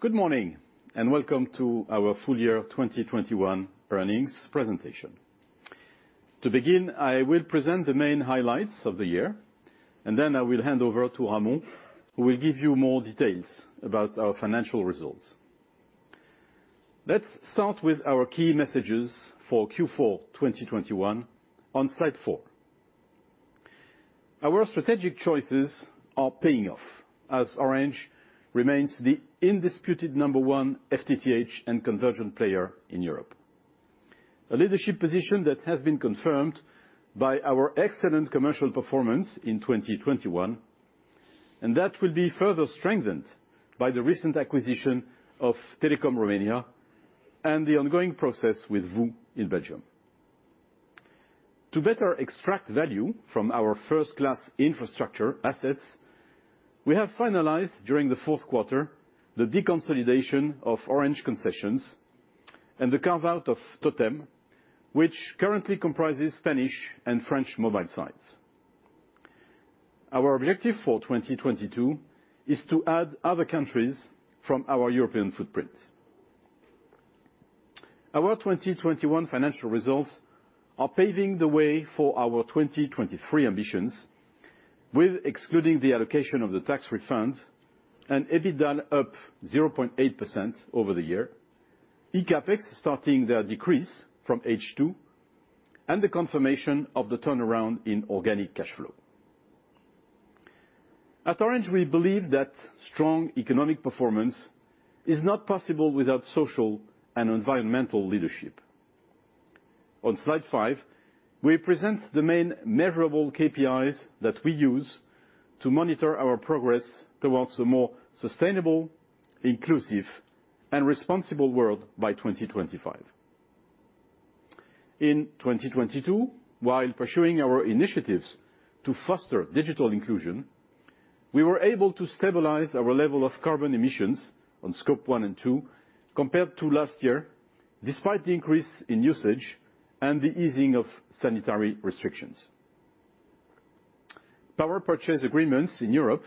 Good morning, and welcome to our full year 2021 earnings presentation. To begin, I will present the main highlights of the year, and then I will hand over to Ramon, who will give you more details about our financial results. Let's start with our key messages for Q4 2021 on slide four. Our strategic choices are paying off, as Orange remains the undisputed number one FTTH and convergence player in Europe. A leadership position that has been confirmed by our excellent commercial performance in 2021, and that will be further strengthened by the recent acquisition of Telekom Romania and the ongoing process with VOO in Belgium. To better extract value from our first-class infrastructure assets, we have finalized during the fourth quarter the deconsolidation of Orange Concessions and the carve-out of TOTEM, which currently comprises Spanish and French mobile sites. Our objective for 2022 is to add other countries from our European footprint. Our 2021 financial results are paving the way for our 2023 ambitions, with, excluding the allocation of the tax refund, an EBITDAaL up 0.8% over the year, eCAPEX starting their decrease from H2, and the confirmation of the turnaround in organic cash flow. At Orange, we believe that strong economic performance is not possible without social and environmental leadership. On slide five, we present the main measurable KPIs that we use to monitor our progress towards a more sustainable, inclusive and responsible world by 2025. In 2022, while pursuing our initiatives to foster digital inclusion, we were able to stabilize our level of carbon emissions on scope one and two compared to last year, despite the increase in usage and the easing of sanitary restrictions. Power purchase agreements in Europe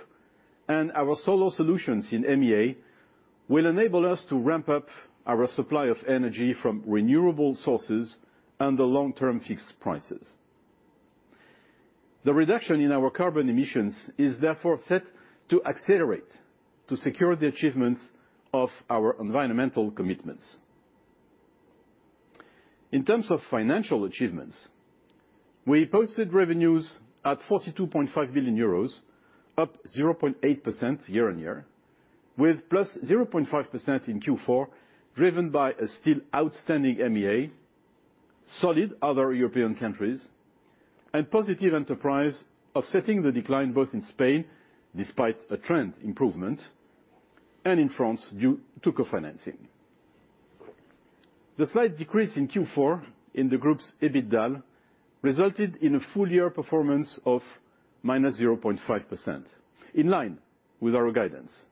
and our solar solutions in MEA will enable us to ramp up our supply of energy from renewable sources under long-term fixed prices. The reduction in our carbon emissions is therefore set to accelerate to secure the achievements of our environmental commitments. In terms of financial achievements, we posted revenues at 42.5 billion euros, up 0.8% year-on-year, with +0.5% in Q4, driven by a still outstanding MEA, solid other European countries, and positive enterprise offsetting the decline both in Spain, despite a trend improvement, and in France due to co-financing. The slight decrease in Q4 in the group's EBITDAaL resulted in a full year performance of -0.5%, in line with our guidance,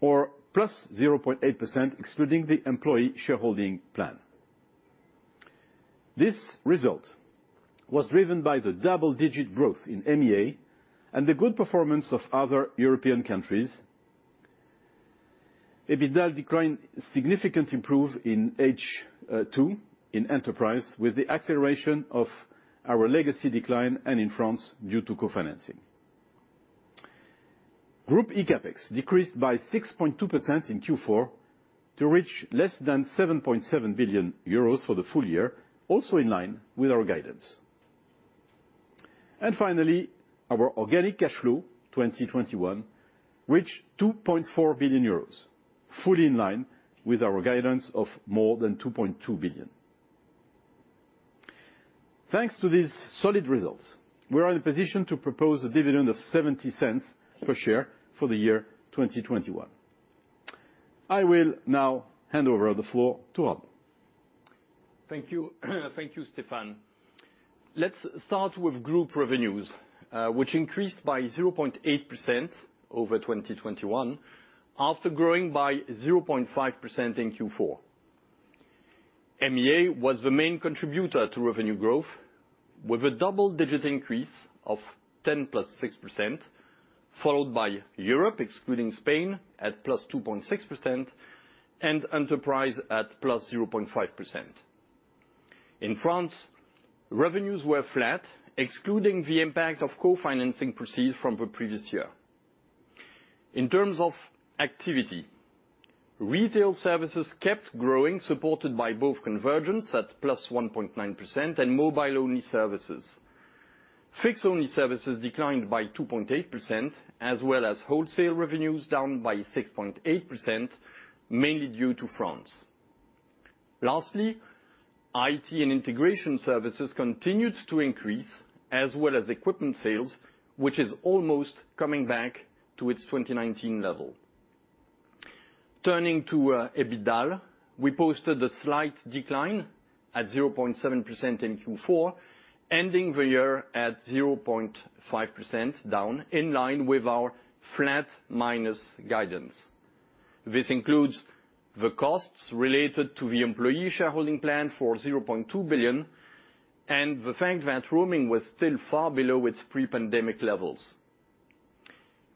or +0.8% excluding the employee shareholding plan. This result was driven by the double-digit growth in MEA and the good performance of other European countries. EBITDAaL decline significantly improved in H2 in enterprise with the acceleration of our legacy decline and in France due to co-financing. Group eCAPEX decreased by 6.2% in Q4 to reach less than 7.7 billion euros for the full year, also in line with our guidance. Finally, our organic cash flow 2021 reached 2.4 billion euros, fully in line with our guidance of more than 2.2 billion. Thanks to these solid results, we are in a position to propose a dividend of 0.70 per share for the year 2021. I will now hand over the floor to Ramon. Thank you. Thank you, Stéphane. Let's start with group revenues, which increased by 0.8% over 2021 after growing by 0.5% in Q4. MEA was the main contributor to revenue growth with a double-digit increase of 10.6%, followed by Europe, excluding Spain, at +2.6%, and Enterprise at +0.5%. In France, revenues were flat, excluding the impact of co-financing proceeds from the previous year. In terms of activity, retail services kept growing, supported by both convergence at +1.9% and mobile-only services. Fixed-only services declined by 2.8% as well as wholesale revenues down by 6.8%, mainly due to France. Lastly, IT and integration services continued to increase as well as equipment sales, which is almost coming back to its 2019 level. Turning to EBITDA, we posted a slight decline at 0.7% in Q4, ending the year at 0.5% down, in line with our flat minus guidance. This includes the costs related to the employee shareholding plan for 0.2 billion and the fact that roaming was still far below its pre-pandemic levels.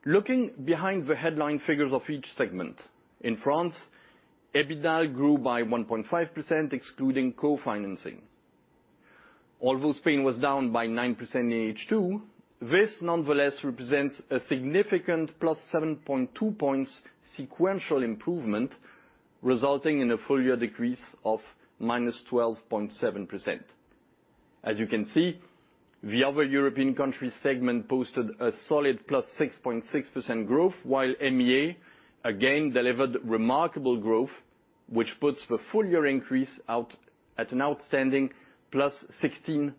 Looking behind the headline figures of each segment, in France, EBITDAaL grew by 1.5% excluding co-financing. Although Spain was down by 9% in H2, this nonetheless represents a significant +7.2 points sequential improvement, resulting in a full year decrease of -12.7%. As you can see, the other European country segment posted a solid +6.6% growth, while MEA again delivered remarkable growth, which puts the full year increase out at an outstanding +16.8%.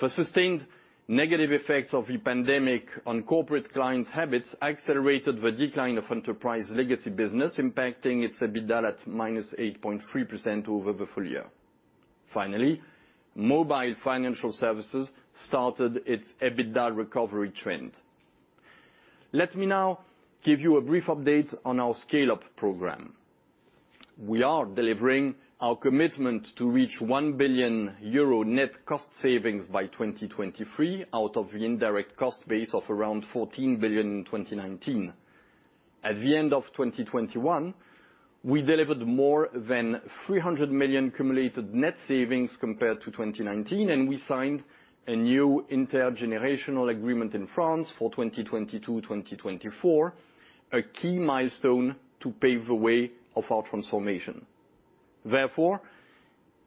The sustained negative effects of the pandemic on corporate clients habits accelerated the decline of enterprise legacy business, impacting its EBITDAaL at -8.3% over the full year. Finally, mobile financial services started its EBITDAaL recovery trend. Let me now give you a brief update on our Scale Up program. We are delivering our commitment to reach 1 billion euro net cost savings by 2023 out of the indirect cost base of around 14 billion in 2019. At the end of 2021, we delivered more than 300 million cumulated net savings compared to 2019, and we signed a new intergenerational agreement in France for 2022-2024. A key milestone to pave the way of our transformation. Therefore,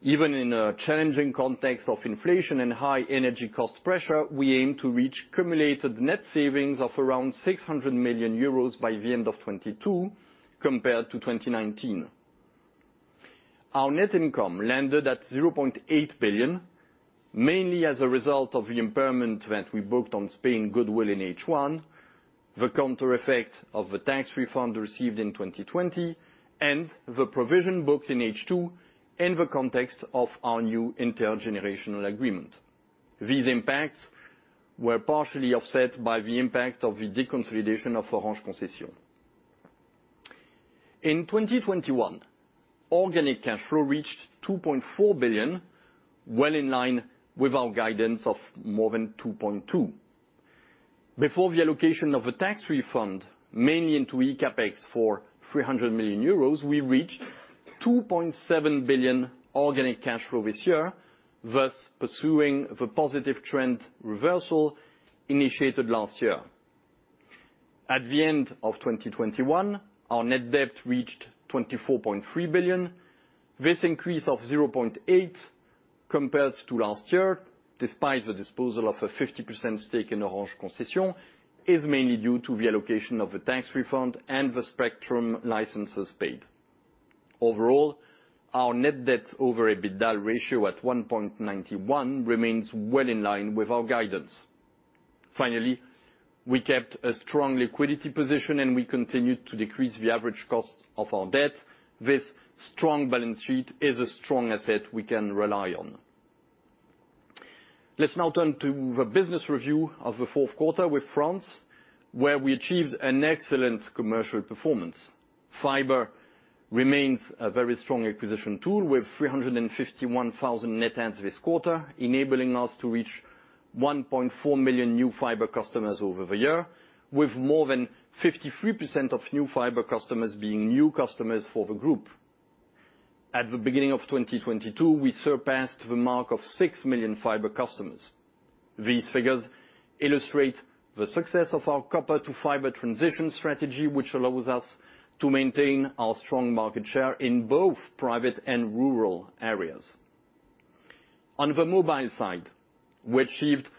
even in a challenging context of inflation and high energy cost pressure, we aim to reach cumulated net savings of around 600 million euros by the end of 2022 compared to 2019. Our net income landed at 0.8 billion, mainly as a result of the impairment that we booked on Orange Spain goodwill in H1, the counter effect of the tax refund received in 2020, and the provision booked in H2 in the context of our new intergenerational agreement. These impacts were partially offset by the impact of the deconsolidation of Orange Concessions. In 2021, organic cash flow reached 2.4 billion, well in line with our guidance of more than 2.2 billion. Before the allocation of a tax refund, mainly into eCAPEX for 300 million euros, we reached 2.7 billion organic cash flow this year, thus pursuing the positive trend reversal initiated last year. At the end of 2021, our net debt reached 24.3 billion. This increase of 0.8 billion compared to last year, despite the disposal of a 50% stake in Orange Concessions, is mainly due to the allocation of the tax refund and the spectrum licenses paid. Overall, our net debt over EBITDAaL ratio at 1.91 remains well in line with our guidance. Finally, we kept a strong liquidity position, and we continued to decrease the average cost of our debt. This strong balance sheet is a strong asset we can rely on. Let's now turn to the business review of the fourth quarter with France, where we achieved an excellent commercial performance. Fiber remains a very strong acquisition tool with 351,000 net adds this quarter, enabling us to reach 1.4 million new fiber customers over the year, with more than 53% of new fiber customers being new customers for the group. At the beginning of 2022, we surpassed the mark of 6 million fiber customers. These figures illustrate the success of our copper to fiber transition strategy, which allows us to maintain our strong market share in both private and rural areas. On the mobile side, we achieved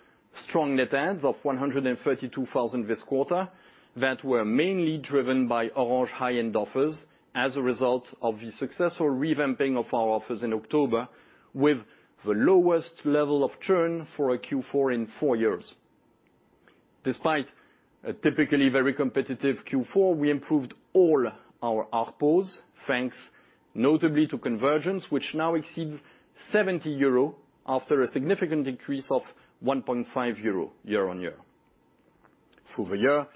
strong net adds of 132,000 this quarter that were mainly driven by Orange high-end offers as a result of the successful revamping of our offers in October with the lowest level of churn for a Q4 in four years. Despite a typically very competitive Q4, we improved all our ARPU, thanks notably to convergence, which now exceeds 70 euro after a significant increase of 1.5 euro year-on-year. Through the year,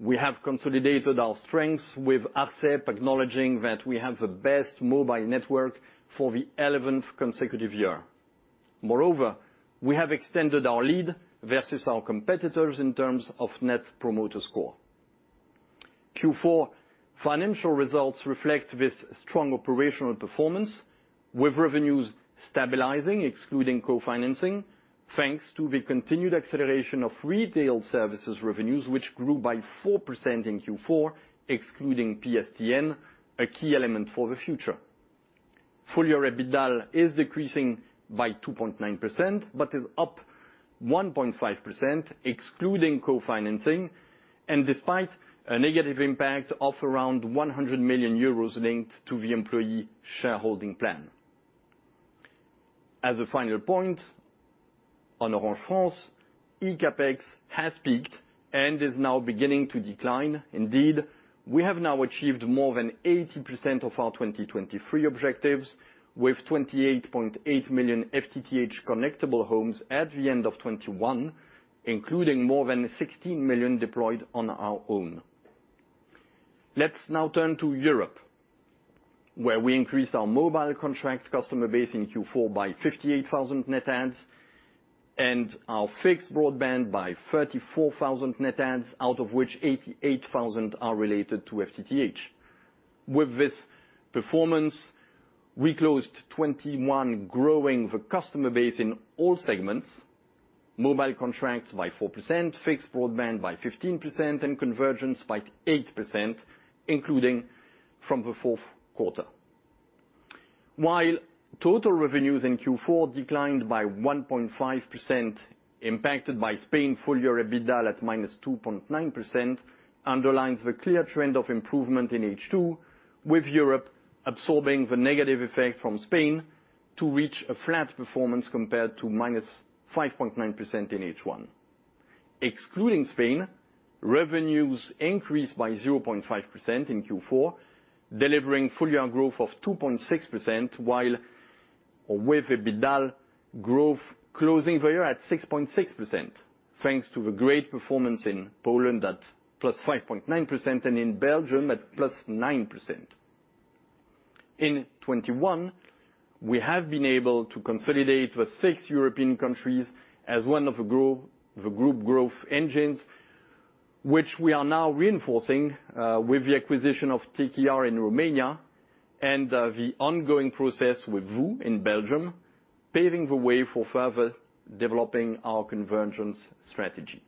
we have consolidated our strengths with ARCEP acknowledging that we have the best mobile network for the eleventh consecutive year. Moreover, we have extended our lead versus our competitors in terms of Net Promoter Score. Q4 financial results reflect this strong operational performance with revenues stabilizing, excluding co-financing, thanks to the continued acceleration of retail services revenues, which grew by 4% in Q4, excluding PSTN, a key element for the future. Full-year EBITDAaL is decreasing by 2.9%, but is up 1.5% excluding co-financing and despite a negative impact of around 100 million euros linked to the employee shareholding plan. As a final point on Orange France, eCAPEX has peaked and is now beginning to decline. Indeed, we have now achieved more than 80% of our 2023 objectives, with 28.8 million FTTH connectable homes at the end of 2021, including more than 16 million deployed on our own. Let's now turn to Europe, where we increased our mobile contract customer base in Q4 by 58,000 net adds, and our fixed broadband by 34,000 net adds, out of which 88,000 are related to FTTH. With this performance, we closed 2021 growing the customer base in all segments, mobile contracts by 4%, fixed broadband by 15%, and convergence by 8%, including from the fourth quarter. While total revenues in Q4 declined by 1.5% impacted by Spain full-year EBITDAaL at -2.9% underlines the clear trend of improvement in H2, with Europe absorbing the negative effect from Spain to reach a flat performance compared to -5.9% in H1. Excluding Spain, revenues increased by 0.5% in Q4, delivering full-year growth of 2.6%, while with EBITDAaL growth closing the year at 6.6%, thanks to the great performance in Poland at +5.9% and in Belgium at +9%. In 2021, we have been able to consolidate the six European countries as one of the group growth engines, which we are now reinforcing with the acquisition of TKR in Romania and the ongoing process with VOO in Belgium, paving the way for further developing our convergence strategy.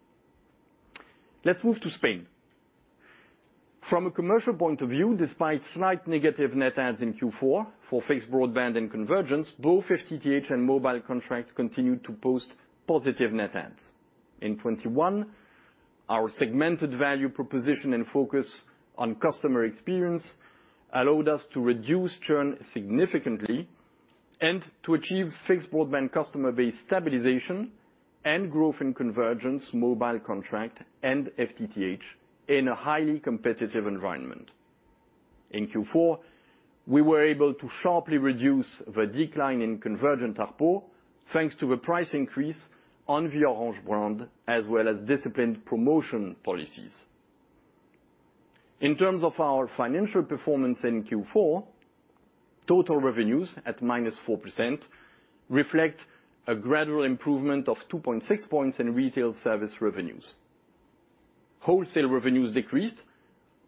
Let's move to Spain. From a commercial point of view, despite slight negative net adds in Q4 for fixed broadband and convergence, both FTTH and mobile contract continued to post positive net adds. In 2021, our segmented value proposition and focus on customer experience allowed us to reduce churn significantly and to achieve fixed broadband customer base stabilization and growth in convergence, mobile contract, and FTTH in a highly competitive environment. In Q4, we were able to sharply reduce the decline in convergent ARPU, thanks to the price increase on the Orange brand, as well as disciplined promotion policies. In terms of our financial performance in Q4, total revenues at -4% reflect a gradual improvement of 2.6 points in retail service revenues. Wholesale revenues decreased,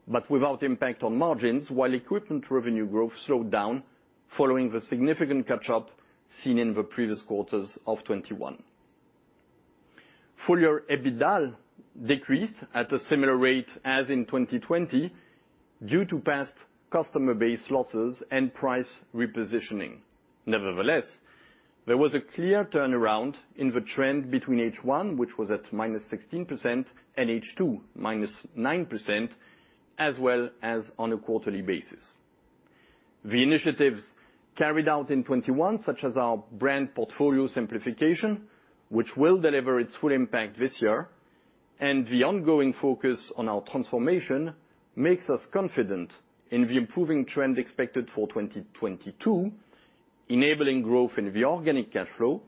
but without impact on margins, while equipment revenue growth slowed down following the significant catch-up seen in the previous quarters of 2021. Full-year EBITDAaL decreased at a similar rate as in 2020 due to past customer base losses and price repositioning. Nevertheless, there was a clear turnaround in the trend between H1, which was at -16%, and H2, -9%, as well as on a quarterly basis. The initiatives carried out in 2021, such as our brand portfolio simplification, which will deliver its full impact this year, and the ongoing focus on our transformation, makes us confident in the improving trend expected for 2022, enabling growth in the organic cash flow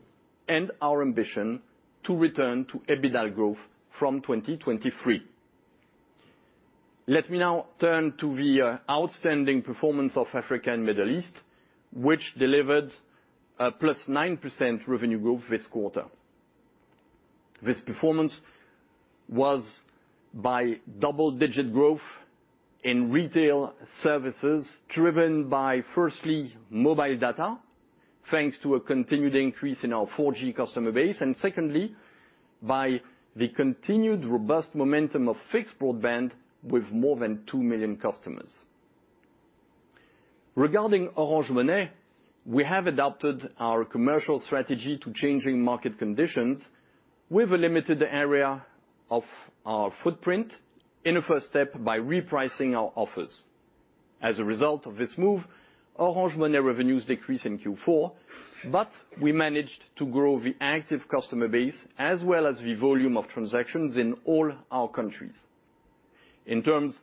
and our ambition to return to EBITDAaL growth from 2023. Let me now turn to the outstanding performance of Africa and Middle East, which delivered a +9% revenue growth this quarter. This performance was buoyed by double-digit growth in retail services, driven by, firstly, mobile data, thanks to a continued increase in our 4G customer base. Secondly, by the continued robust momentum of fixed broadband with more than 2 million customers. Regarding Orange Money, we have adapted our commercial strategy to changing market conditions with a limited area of our footprint in a first step by repricing our offers. As a result of this move, Orange Money revenues decreased in Q4, but we managed to grow the active customer base as well as the volume of transactions in all our countries. In terms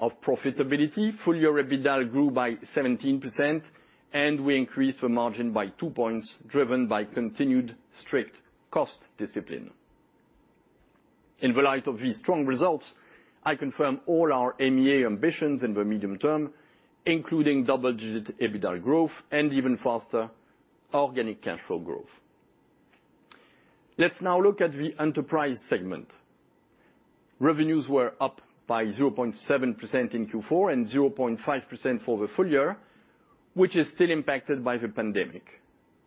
of profitability, full-year EBITDAaL grew by 17%, and we increased the margin by 2 points, driven by continued strict cost discipline. In the light of these strong results, I confirm all our MEA ambitions in the medium term, including double-digit EBITDAaL growth and even faster organic cash flow growth. Let's now look at the enterprise segment. Revenues were up by 0.7% in Q4 and 0.5% for the full year, which is still impacted by the pandemic.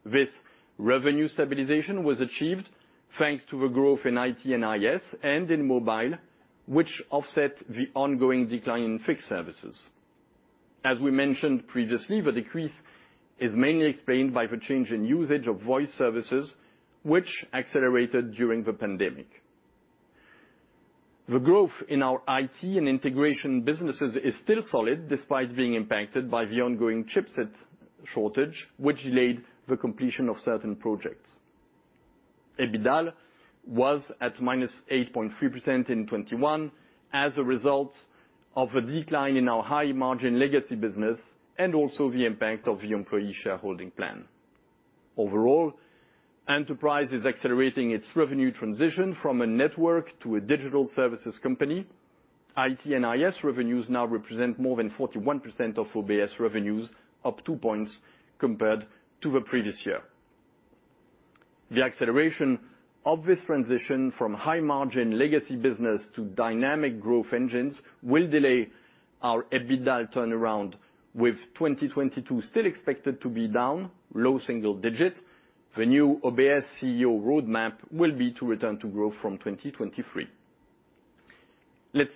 This revenue stabilization was achieved thanks to the growth in IT and IS and in mobile, which offset the ongoing decline in fixed services. As we mentioned previously, the decrease is mainly explained by the change in usage of voice services, which accelerated during the pandemic. The growth in our IT and integration businesses is still solid despite being impacted by the ongoing chipset shortage, which delayed the completion of certain projects. EBITDAaL was at -8.3% in 2021 as a result of a decline in our high-margin legacy business and also the impact of the employee shareholding plan. Overall, Enterprise is accelerating its revenue transition from a network to a digital services company. IT and IS revenues now represent more than 41% of OBS revenues, up two points compared to the previous year. The acceleration of this transition from high-margin legacy business to dynamic growth engines will delay our EBITDAaL turnaround, with 2022 still expected to be down low single-digits. The new OBS CEO roadmap will be to return to growth from 2023. Let's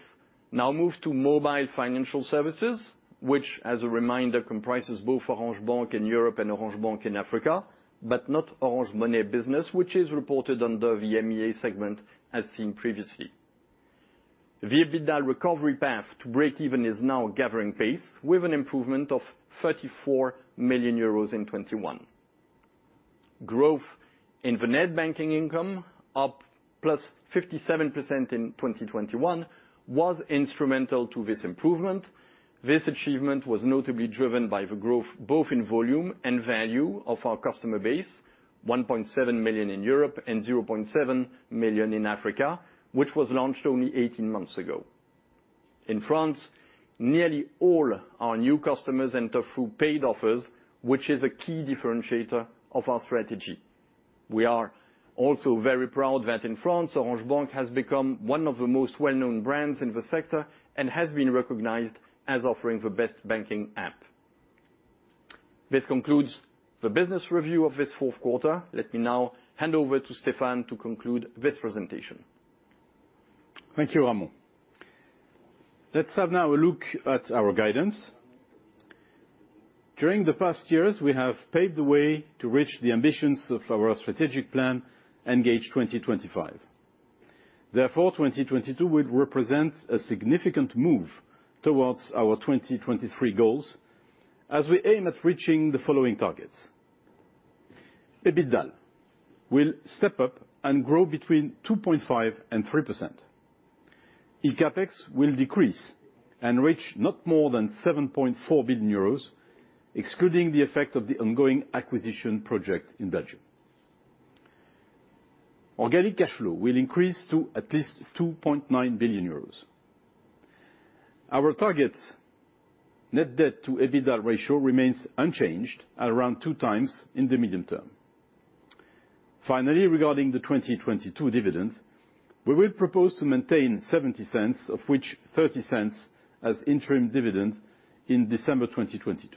now move to mobile financial services, which as a reminder, comprises both Orange Bank in Europe and Orange Bank in Africa, but not Orange Money business, which is reported under the MEA segment as seen previously. The EBITDAaL recovery path to break even is now gathering pace, with an improvement of 34 million euros in 2021. Growth in the net banking income, up +57% in 2021, was instrumental to this improvement. This achievement was notably driven by the growth both in volume and value of our customer base, 1.7 million in Europe and 0.7 million in Africa, which was launched only 18 months ago. In France, nearly all our new customers enter through paid offers, which is a key differentiator of our strategy. We are also very proud that in France, Orange Bank has become one of the most well-known brands in the sector and has been recognized as offering the best banking app. This concludes the business review of this fourth quarter. Let me now hand over to Stéphane to conclude this presentation. Thank you, Ramon. Let's have now a look at our guidance. During the past years, we have paved the way to reach the ambitions of our strategic plan, Engage 2025. Therefore, 2022 would represent a significant move towards our 2023 goals as we aim at reaching the following targets. EBITDAaL will step up and grow 2.5%-3%. eCAPEX will decrease and reach not more than 7.4 billion euros, excluding the effect of the ongoing acquisition project in Belgium. Organic cash flow will increase to at least 2.9 billion euros. Our target net debt to EBITDAaL ratio remains unchanged at around 2x in the medium term. Finally, regarding the 2022 dividends, we will propose to maintain 0.70, of which 0.30 as interim dividends in December 2022.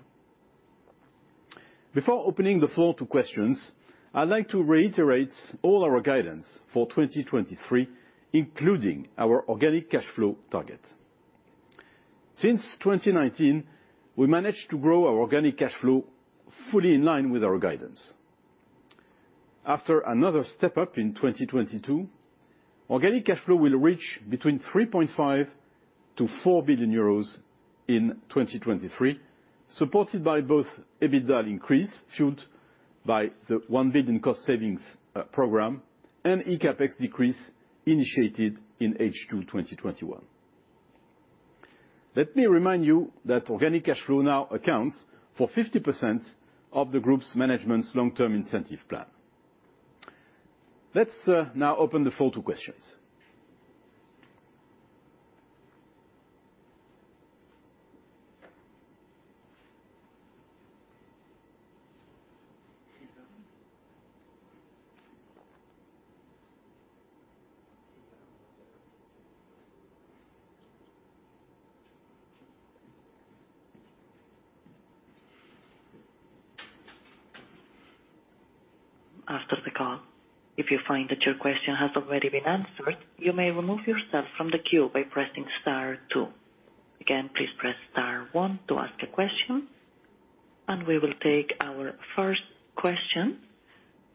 Before opening the floor to questions, I'd like to reiterate all our guidance for 2023, including our organic cash flow target. Since 2019, we managed to grow our organic cash flow fully in line with our guidance. After another step up in 2022, organic cash flow will reach between 3.5 billion-4 billion euros in 2023, supported by both EBITDAaL increase, fueled by the 1 billion cost savings program, and eCAPEX decrease initiated in H2 2021. Let me remind you that organic cash flow now accounts for 50% of the group's management's long-term incentive plan. Let's now open the floor to questions. After the call, if you find that your question has already been answered, you may remove yourself from the queue by pressing star two. Again, please press star one to ask a question, and we will take our first question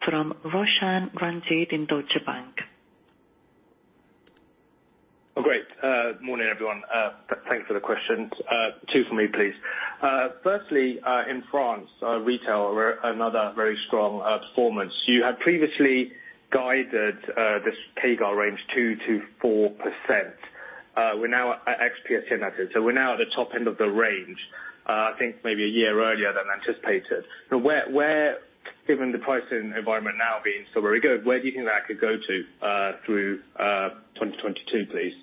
from Roshan Ranjit in Deutsche Bank. Good morning, everyone. Thanks for the questions. Two for me, please. Firstly, in France, retail were another very strong performance. You had previously guided this CAGR range 2%-4%. We're now at ex-PSTN. We're now at the top end of the range. I think maybe a year earlier than anticipated. Now where, given the pricing environment now being still very good, where do you think that could go to through 2022, please?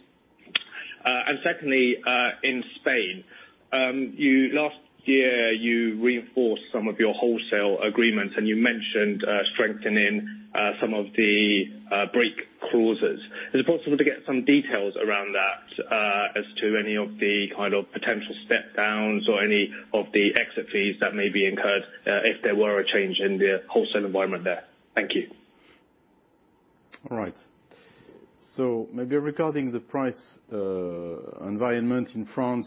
Secondly, in Spain, last year, you reinforced some of your wholesale agreements, and you mentioned strengthening some of the break clauses. Is it possible to get some details around that, as to any of the kind of potential step downs or any of the exit fees that may be incurred, if there were a change in the wholesale environment there? Thank you. All right. Maybe regarding the price environment in France,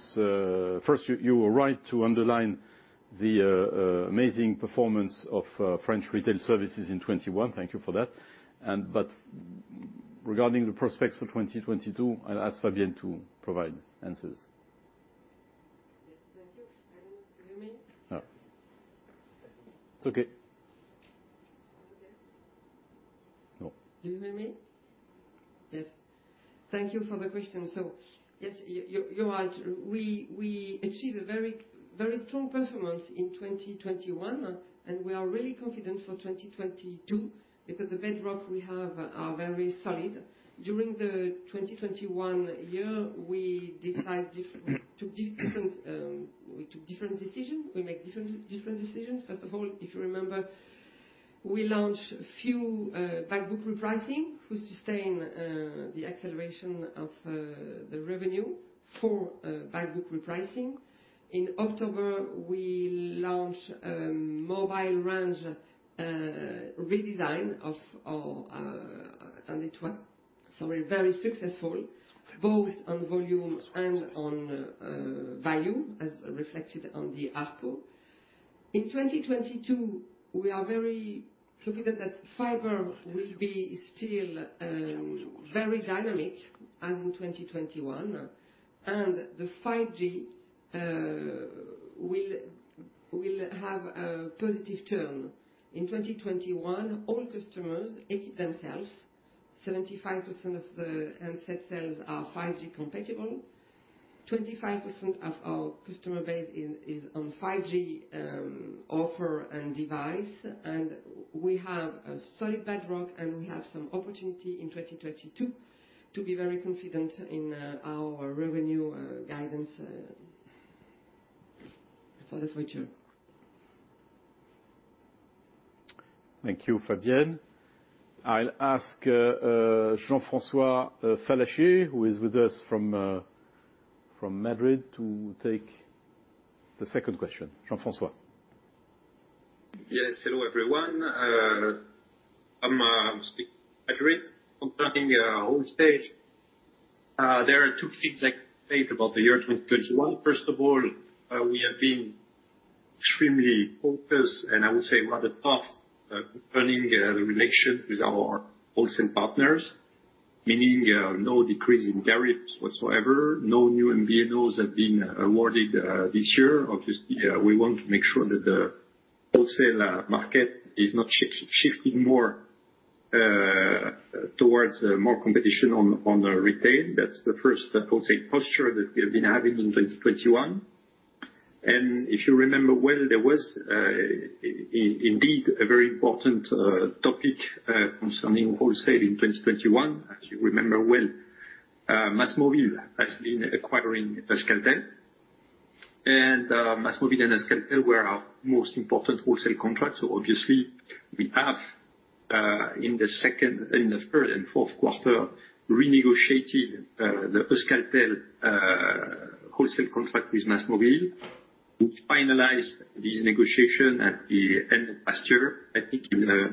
first, you were right to underline the amazing performance of French retail services in 2021. Thank you for that. Regarding the prospects for 2022, I'll ask Fabienne to provide answers. No. It's okay. Okay. No. Do you hear me? Yes. Thank you for the question. Yes, you are. We achieve a very strong performance in 2021, and we are really confident for 2022 because the bedrock we have are very solid. During the 2021 year, we took different decisions. First of all, if you remember, we launched a few back book repricing to sustain the acceleration of the revenue for back book repricing. In October, we launched a mobile range redesign of our and it was so very successful, both on volume and on value, as reflected on the ARPU. In 2022, we are very confident that fiber will be still very dynamic as in 2021. The 5G will have a positive turn. In 2021, all customers equip themselves. 75% of the handset sales are 5G compatible. 25% of our customer base is on 5G offer and device. We have a solid bedrock, and we have some opportunity in 2022 to be very confident in our revenue guidance for the future. Thank you, Fabienne. I'll ask Jean-François Fallacher, who is with us from Madrid, to take the second question. Jean-François. Yes, hello, everyone. I'm speaking from Madrid concerning wholesale. There are two things I can say about the year 2021. First of all, we have been extremely focused, and I would say rather tough building a relation with our wholesale partners, meaning no decrease in tariffs whatsoever. No new MVNOs have been awarded this year. Obviously, we want to make sure that the wholesale market is not shifting more towards more competition on the retail. That's the first, I would say, posture that we have been having in 2021. If you remember well, there was indeed a very important topic concerning wholesale in 2021. As you remember well, MÁSMÓVIL has been acquiring Euskaltel. MÁSMÓVIL and Euskaltel were our most important wholesale contracts. Obviously we have in the second and the third and fourth quarter renegotiated the Euskaltel wholesale contract with MÁSMÓVIL, which finalized this negotiation at the end of last year. I think in a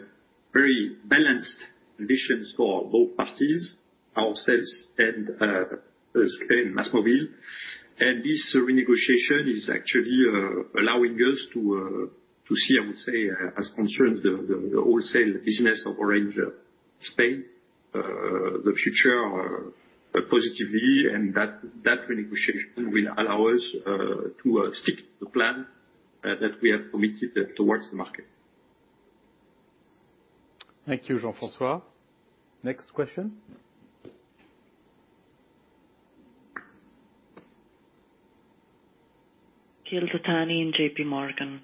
very balanced conditions for both parties, ourselves and MÁSMÓVIL. This renegotiation is actually allowing us to see, I would say, as concerns the wholesale business of Orange Spain, the future positively. That renegotiation will allow us to stick to the plan that we have committed towards the market. Thank you, Jean-François. Next question. Akhil Dattani in JPMorgan.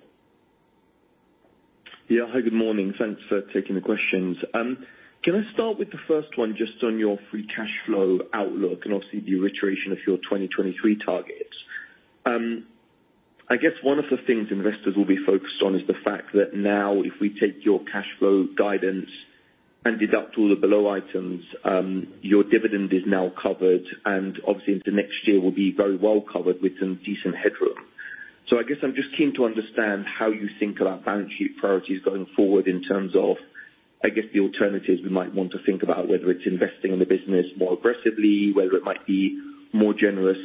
Yeah. Hi, good morning. Thanks for taking the questions. Can I start with the first one just on your free cash flow outlook and obviously the reiteration of your 2023 targets? I guess one of the things investors will be focused on is the fact that now if we take your cash flow guidance and deduct all the below items, your dividend is now covered, and obviously into next year will be very well covered with some decent headroom. I guess I'm just keen to understand how you think about balance sheet priorities going forward in terms of, I guess, the alternatives we might want to think about, whether it's investing in the business more aggressively, whether it might be more generous,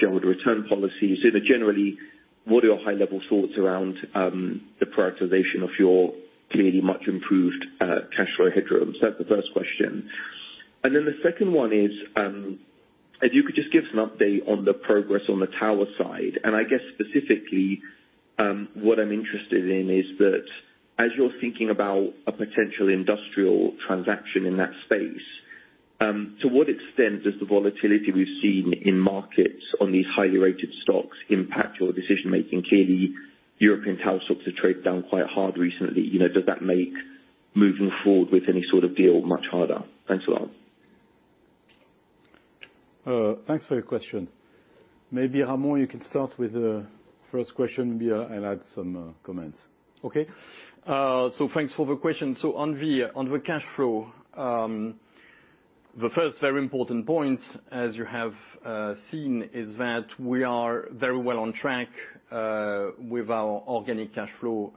shareholder return policies. You know, generally, what are your high-level thoughts around the prioritization of your clearly much improved cash flow headroom? That's the first question. The second one is, if you could just give some update on the progress on the tower side, and I guess specifically, what I'm interested in is that as you're thinking about a potential industrial transaction in that space, to what extent does the volatility we've seen in markets on these highly rated stocks impact your decision making? Clearly, European tower stocks have traded down quite hard recently. You know, does that make moving forward with any sort of deal much harder? Thanks a lot. Thanks for your question. Maybe, Ramon, you can start with the first question. Me, I'll add some comments. Okay. Thanks for the question. On the cash flow, the first very important point as you have seen is that we are very well on track with our organic cash flow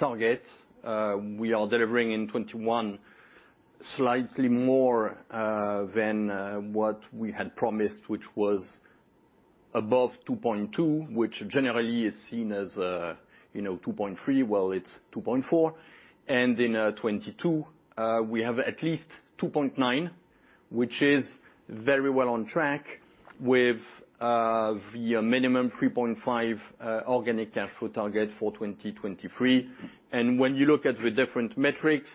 target. We are delivering in 2021 slightly more than what we had promised, which was above 2.2 billion, which generally is seen as, you know, 2.3 billion. Well, it's 2.4 billion. In 2022, we have at least 2.9 billion. Which is very well on track with the minimum 3.5 billion organic cash flow target for 2023. When you look at the different metrics,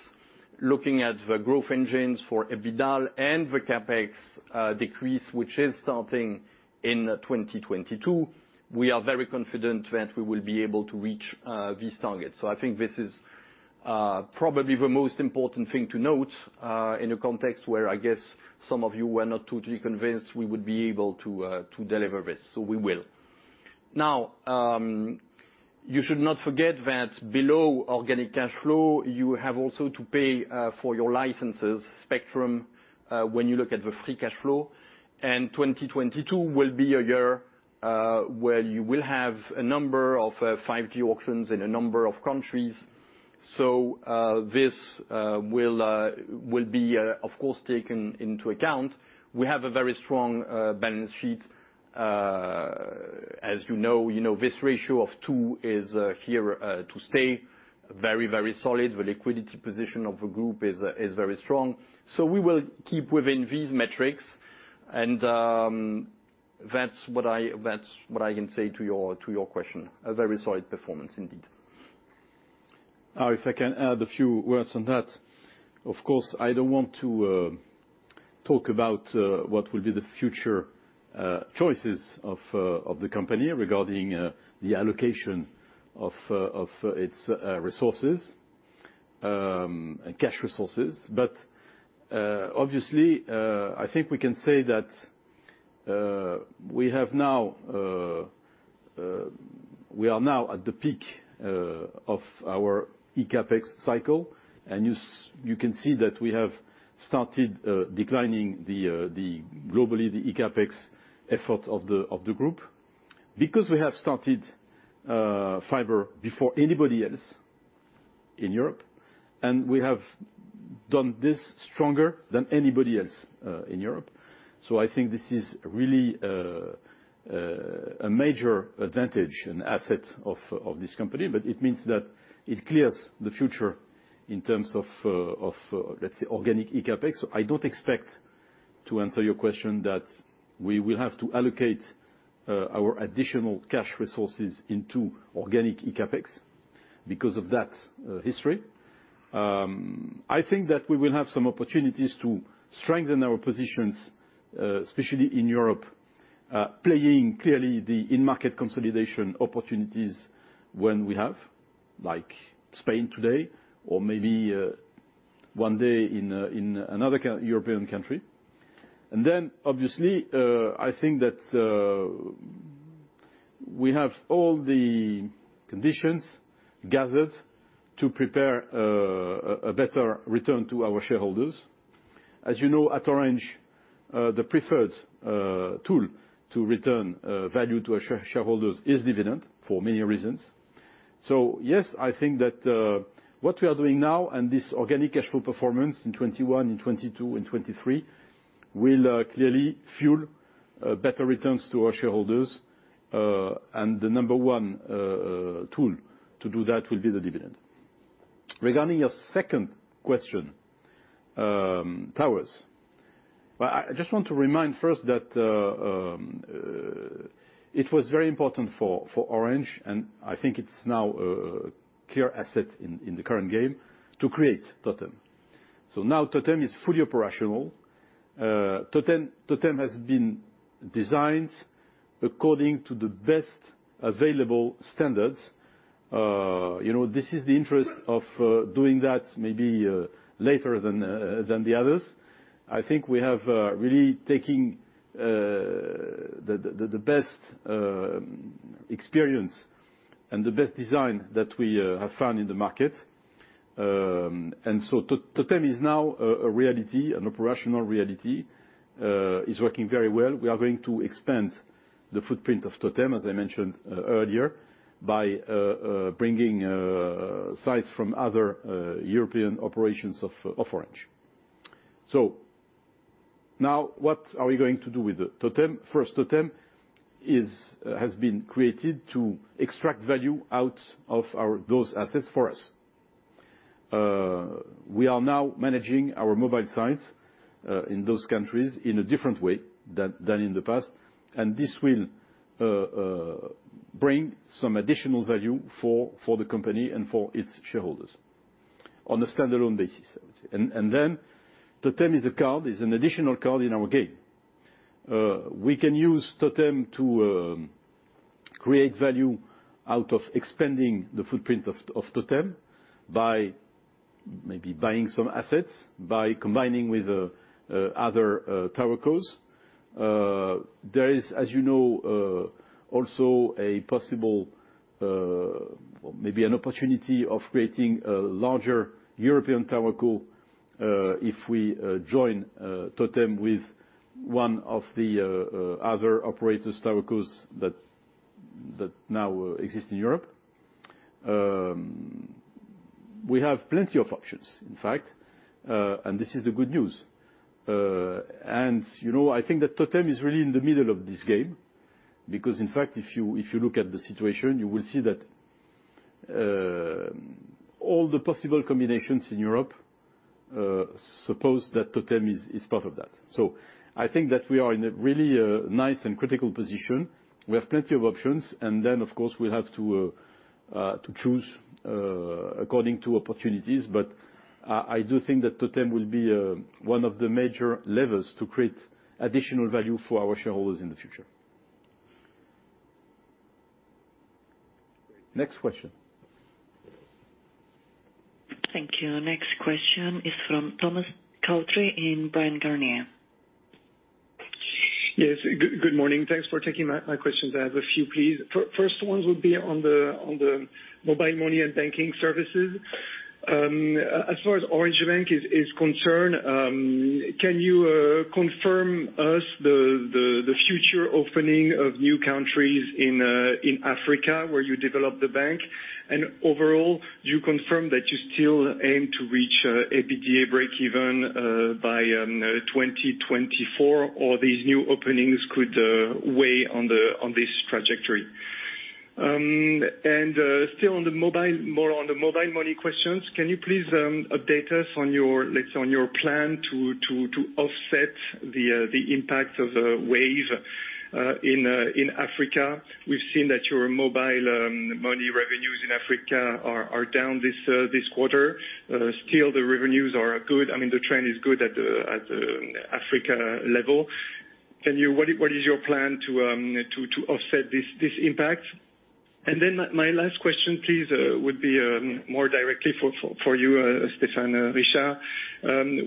looking at the growth engines for EBITDAaL and the CapEx decrease, which is starting in 2022, we are very confident that we will be able to reach these targets. I think this is probably the most important thing to note in a context where I guess some of you were not totally convinced we would be able to to deliver this. We will. Now, you should not forget that below organic cash flow, you have also to pay for your spectrum licenses when you look at the free cash flow. 2022 will be a year where you will have a number of 5G auctions in a number of countries. This will be of course taken into account. We have a very strong balance sheet. As you know, you know, this ratio of 2 is here to stay very, very solid. The liquidity position of the group is very strong. We will keep within these metrics and that's what I can say to your question, a very solid performance indeed. If I can add a few words on that. Of course, I don't want to talk about what will be the future choices of the company regarding the allocation of its resources and cash resources. Obviously, I think we can say that we are now at the peak of our eCAPEX cycle. You can see that we have started declining the global eCAPEX effort of the group. Because we have started fiber before anybody else in Europe, and we have done this stronger than anybody else in Europe. I think this is really a major advantage and asset of this company, but it means that it clears the future in terms of, let's say, organic eCAPEX. I don't expect to answer your question that we will have to allocate our additional cash resources into organic eCAPEX because of that history. I think that we will have some opportunities to strengthen our positions, especially in Europe, playing clearly the in-market consolidation opportunities when we have, like Spain today or maybe one day in another European country. Then obviously I think that we have all the conditions gathered to prepare a better return to our shareholders. As you know, at Orange, the preferred tool to return value to our shareholders is dividend for many reasons. Yes, I think that what we are doing now and this organic cash flow performance in 2021, in 2022 and 2023 will clearly fuel better returns to our shareholders. The number one tool to do that will be the dividend. Regarding your second question, towers. Well, I just want to remind first that it was very important for Orange, and I think it's now a clear asset in the current game to create TOTEM. Now TOTEM is fully operational. TOTEM has been designed according to the best available standards. You know, this is the interest of doing that maybe later than the others. I think we have really taking the best experience and the best design that we have found in the market. TOTEM is now a reality, an operational reality, is working very well. We are going to expand the footprint of TOTEM, as I mentioned earlier, by bringing sites from other European operations of Orange. Now what are we going to do with TOTEM? First, TOTEM has been created to extract value out of those assets for us. We are now managing our mobile sites in those countries in a different way than in the past. This will bring some additional value for the company and for its shareholders on a standalone basis, I would say. Then TOTEM is an additional card in our game. We can use TOTEM to create value out of expanding the footprint of TOTEM by maybe buying some assets, by combining with other TowerCos. There is, as you know, also a possible or maybe an opportunity of creating a larger European TowerCo, if we join TOTEM with one of the other operators, TowerCos that now exist in Europe. We have plenty of options, in fact, and this is the good news. You know, I think that TOTEM is really in the middle of this game because in fact, if you look at the situation, you will see that all the possible combinations in Europe suppose that TOTEM is part of that. I think that we are in a really nice and critical position. We have plenty of options, and then, of course, we'll have to choose according to opportunities. I do think that TOTEM will be one of the major levers to create additional value for our shareholders in the future. Next question. Thank you. Next question is from Thomas Coudry in Bryan, Garnier & Co. Yes, good morning. Thanks for taking my questions. I have a few, please. First ones would be on the mobile money and banking services. As far as Orange Bank is concerned, can you confirm us the future opening of new countries in Africa where you developed the bank? Overall, you confirm that you still aim to reach EBITDA breakeven by 2024, or these new openings could weigh on this trajectory. Still on the mobile money questions, can you please update us on your plan to offset the impact of Wave in Africa? We've seen that your mobile money revenues in Africa are down this quarter. Still the revenues are good. I mean, the trend is good at the Africa level. What is your plan to offset this impact? My last question, please, would be more directly for you, Stéphane Richard.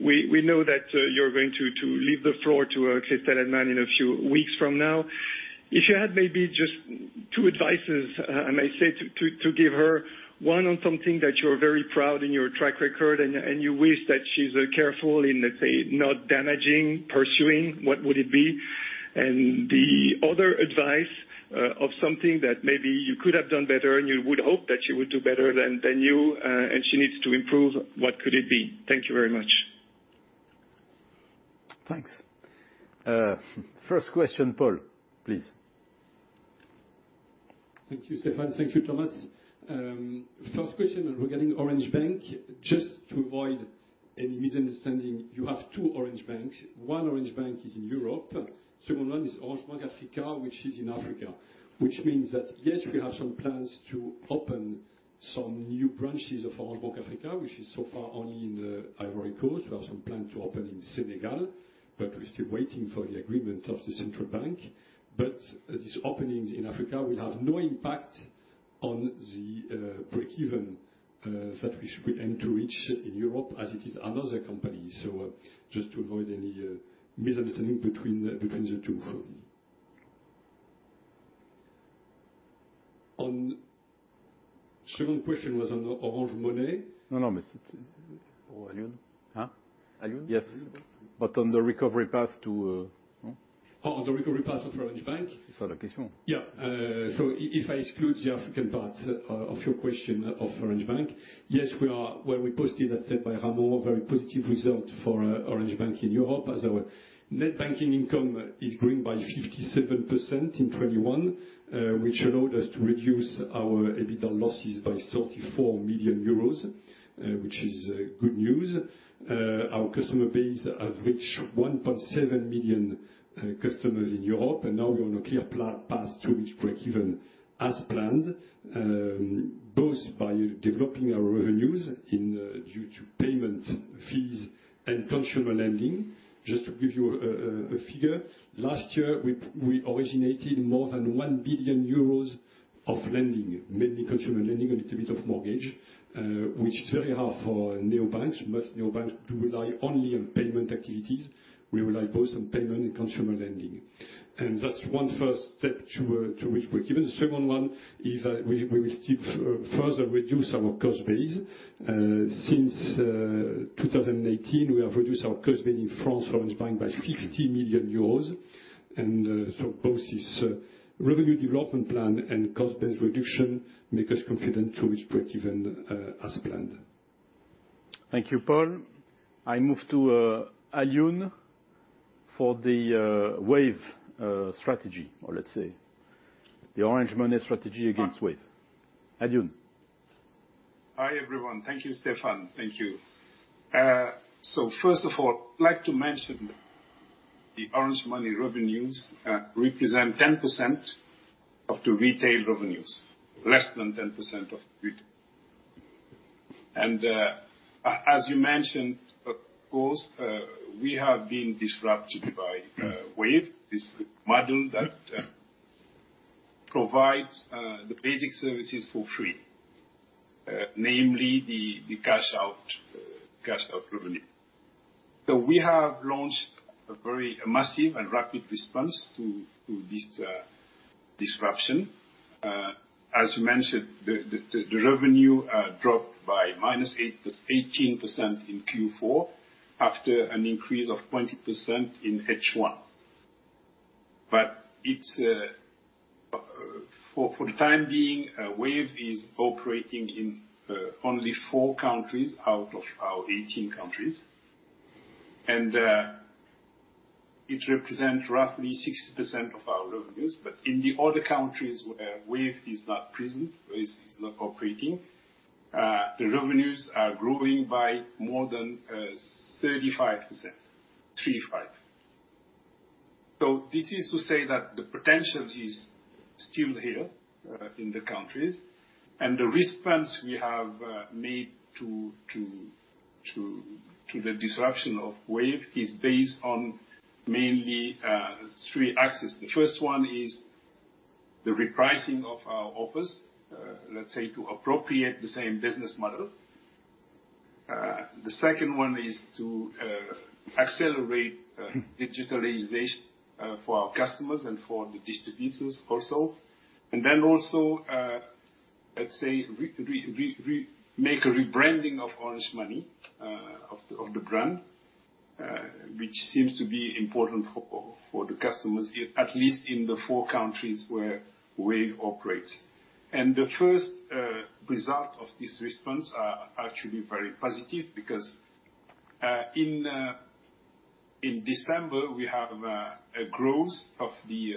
We know that you're going to leave the floor to Christel Heydemann in a few weeks from now. If you had maybe just two advices, I might say to give her, one on something that you're very proud in your track record and you wish that she's careful in, let's say, not damaging, pursuing, what would it be? The other advice of something that maybe you could have done better and you would hope that she would do better than you and she needs to improve, what could it be? Thank you very much. Thanks. First question, Paul, please. Thank you, Stéphane. Thank you, Thomas. First question regarding Orange Bank. Just to avoid any misunderstanding, you have two Orange Banks. One Orange Bank is in Europe, second one is Orange Bank Africa, which is in Africa. Which means that, yes, we have some plans to open some new branches of Orange Bank Africa, which is so far only in the Ivory Coast. We have some plan to open in Senegal, but we're still waiting for the agreement of the central bank. These openings in Africa will have no impact on the breakeven that we aim to reach in Europe as it is another company. Just to avoid any misunderstanding between the two. The second question was on Orange Money. No, no. Aliouné? Huh? Aliouné? Yes. On the recovery path to, huh? Oh, on the recovery path of Orange Bank? That's the question. If I exclude the African part of your question on Orange Bank, yes, we posted, as said by Ramon, a very positive result for Orange Bank in Europe as our net banking income is growing by 57% in 2021, which allowed us to reduce our EBITDA losses by 34 million euros, which is good news. Our customer base has reached 1.7 million customers in Europe, and now we're on a clear path to reach breakeven as planned, both by developing our revenues and due to payment fees and consumer lending. Just to give you a figure, last year we originated more than 1 billion euros of lending, mainly consumer lending, a little bit of mortgage, which is very hard for neobanks. Most neobanks do rely only on payment activities. We rely both on payment and consumer lending. That's one first step to reach breakeven. The second one is that we will still further reduce our cost base. Since 2018, we have reduced our cost base in France for Orange Bank by 50 million euros. Both this revenue development plan and cost base reduction make us confident to reach breakeven, as planned. Thank you, Paul. I move to Aliouné for the Wave strategy, or let's say the Orange Money strategy against Wave. Aliouné. Hi, everyone. Thank you, Stéphane. Thank you. First of all, I'd like to mention the Orange Money revenues represent 10% of the retail revenues, less than 10% of retail. As you mentioned, of course, we have been disrupted by Wave, this model that provides the basic services for free, namely the cash out revenue. We have launched a very massive and rapid response to this disruption. As you mentioned, the revenue dropped by -18% in Q4 after an increase of 20% in H1. For the time being, Wave is operating in only four countries out of our 18 countries. It represent roughly 60% of our revenues. In the other countries where Wave is not present, where it's not operating, the revenues are growing by more than 35%. This is to say that the potential is still here in the countries, and the response we have made to the disruption of Wave is based on mainly three axes. The first one is the repricing of our offers, let's say to appropriate the same business model. The second one is to accelerate digitalization for our customers and for the distributors also. Also, let's say make a rebranding of Orange Money, of the brand, which seems to be important for the customers, at least in the four countries where Wave operates. The first result of this response are actually very positive because in December, we have a growth of the